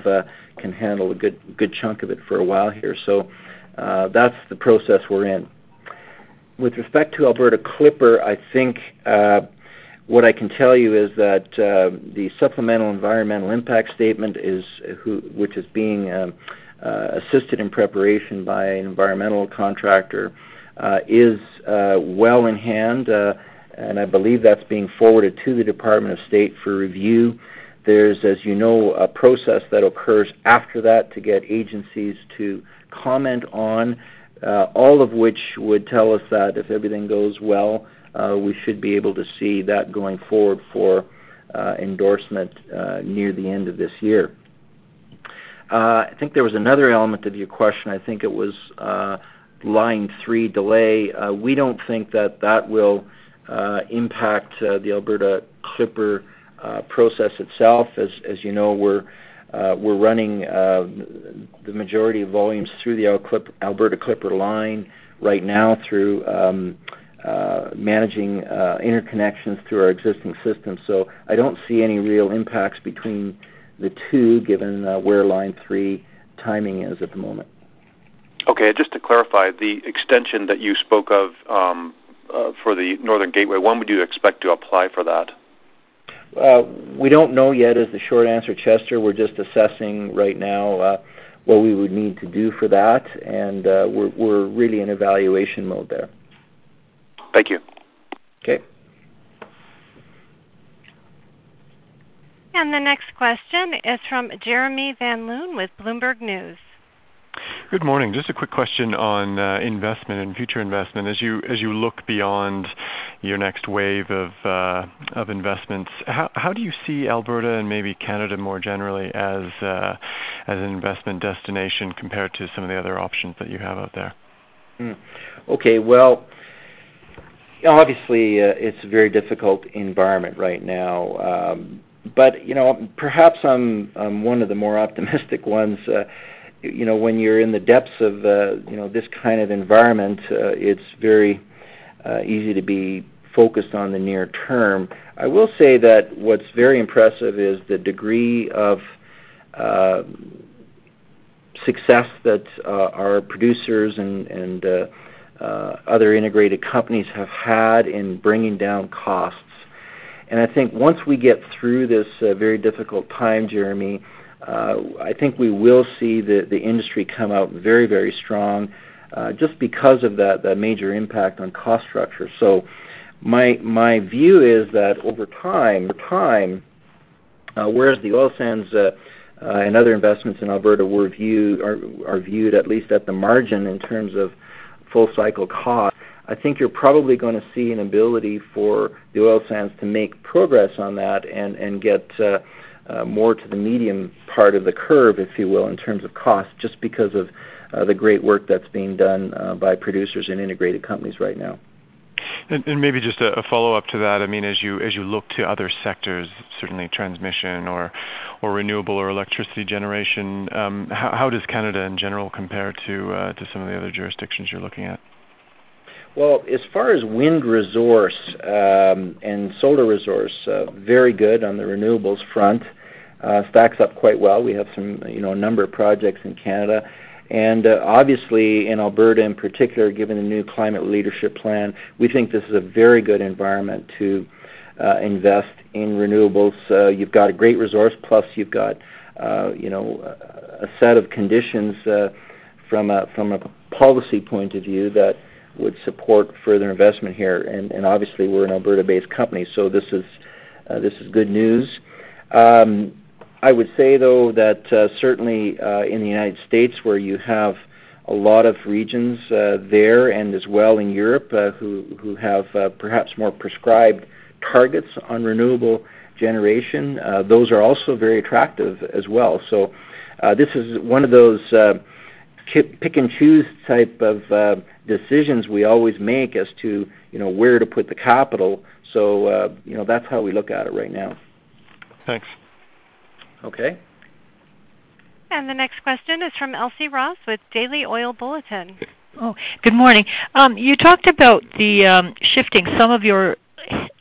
can handle a good, good chunk of it for a while here. So, that's the process we're in. With respect to Alberta Clipper, I think what I can tell you is that the Supplemental Environmental Impact Statement, which is being assisted in preparation by an environmental contractor, is well in hand, and I believe that's being forwarded to the Department of State for review. There's, as you know, a process that occurs after that to get agencies to comment on, all of which would tell us that if everything goes well, we should be able to see that going forward for, endorsement, near the end of this year. I think there was another element of your question. I think it was, Line 3 delay. We don't think that that will, impact, the Alberta Clipper, process itself. As, as you know, we're, we're running, the majority of volumes through the Alberta Clipper line right now through, managing, interconnections through our existing system. So I don't see any real impacts between the two, given, where Line 3 timing is at the moment. Okay, just to clarify, the extension that you spoke of, for the Northern Gateway, when would you expect to apply for that? We don't know yet is the short answer, Chester. We're just assessing right now, what we would need to do for that, and we're really in evaluation mode there. Thank you. Okay. The next question is from Jeremy van Loon with Bloomberg News. Good morning. Just a quick question on investment and future investment. As you look beyond your next wave of investments, how do you see Alberta and maybe Canada more generally as an investment destination compared to some of the other options that you have out there? Hmm. Okay, well, obviously, it's a very difficult environment right now. But, you know, perhaps I'm one of the more optimistic ones. You know, when you're in the depths of, you know, this kind of environment, it's very easy to be focused on the near term. I will say that what's very impressive is the degree of success that our producers and other integrated companies have had in bringing down costs. And I think once we get through this very difficult time, Jeremy, I think we will see the industry come out very, very strong, just because of that major impact on cost structure. So my view is that over time, whereas the oil sands and other investments in Alberta were viewed, are viewed at least at the margin in terms of full cycle cost, I think you're probably gonna see an ability for the oil sands to make progress on that and get more to the medium part of the curve, if you will, in terms of cost, just because of the great work that's being done by producers and integrated companies right now. And maybe just a follow-up to that. I mean, as you look to other sectors, certainly transmission or renewable or electricity generation, how does Canada in general compare to some of the other jurisdictions you're looking at? Well, as far as wind resource, and solar resource, very good on the renewables front. Stacks up quite well. We have some, you know, a number of projects in Canada. Obviously, in Alberta, in particular, given the new Climate Leadership Plan, we think this is a very good environment to invest in renewables. You've got a great resource, plus you've got, you know, a set of conditions. From a policy point of view, that would support further investment here. And obviously, we're an Alberta-based company, so this is, this is good news. I would say, though, that certainly, in the United States, where you have a lot of regions, there, and as well in Europe, who have, perhaps more prescribed targets on renewable generation, those are also very attractive as well. So, you know, that's one of those, pick and choose type of decisions we always make as to, you know, where to put the capital. So, you know, that's how we look at it right now. Thanks. Okay. The next question is from Elsie Ross with Daily Oil Bulletin. Oh, good morning. You talked about the shifting some of your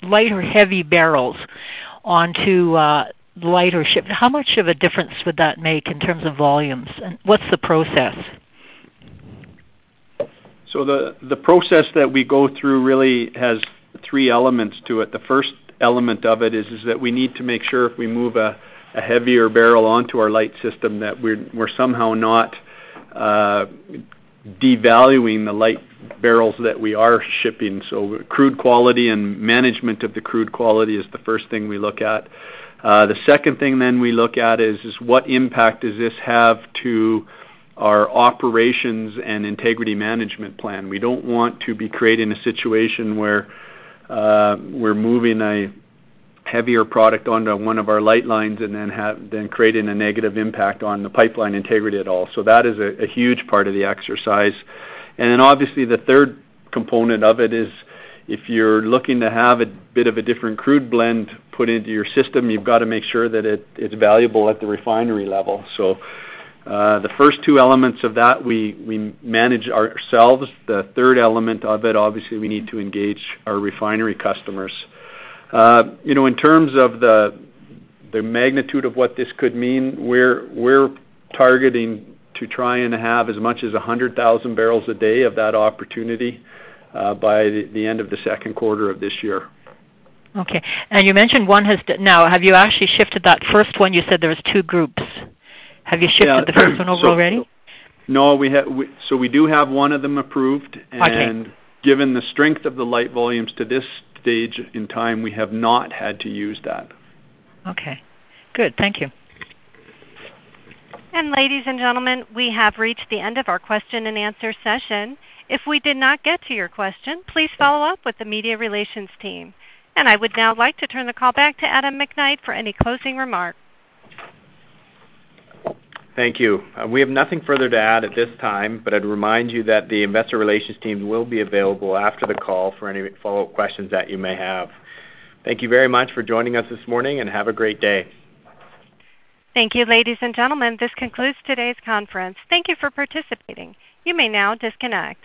light or heavy barrels onto lighter ship. How much of a difference would that make in terms of volumes? And what's the process? So the process that we go through really has three elements to it. The first element of it is that we need to make sure if we move a heavier barrel onto our light system, that we're somehow not devaluing the light barrels that we are shipping. So crude quality and management of the crude quality is the first thing we look at. The second thing then we look at is what impact does this have to our operations and integrity management plan? We don't want to be creating a situation where we're moving a heavier product onto one of our light lines and then creating a negative impact on the pipeline integrity at all. So that is a huge part of the exercise. And then, obviously, the third component of it is if you're looking to have a bit of a different crude blend put into your system, you've got to make sure that it is valuable at the refinery level. So, the first two elements of that, we manage ourselves. The third element of it, obviously, we need to engage our refinery customers. You know, in terms of the magnitude of what this could mean, we're targeting to try and have as much as 100,000 bbl a day of that opportunity, by the end of the second quarter of this year. Okay. And you mentioned one has. Now, have you actually shifted that first one? You said there was two groups. Have you shifted the first one over already? No, we have, so we do have one of them approved. Okay. Given the strength of the liquids volumes to this stage in time, we have not had to use that. Okay, good. Thank you. Ladies and gentlemen, we have reached the end of our question-and-answer session. If we did not get to your question, please follow up with the media relations team. I would now like to turn the call back to Adam McKnight for any closing remarks. Thank you. We have nothing further to add at this time, but I'd remind you that the investor relations team will be available after the call for any follow-up questions that you may have. Thank you very much for joining us this morning, and have a great day. Thank you, ladies and gentlemen. This concludes today's conference. Thank you for participating. You may now disconnect.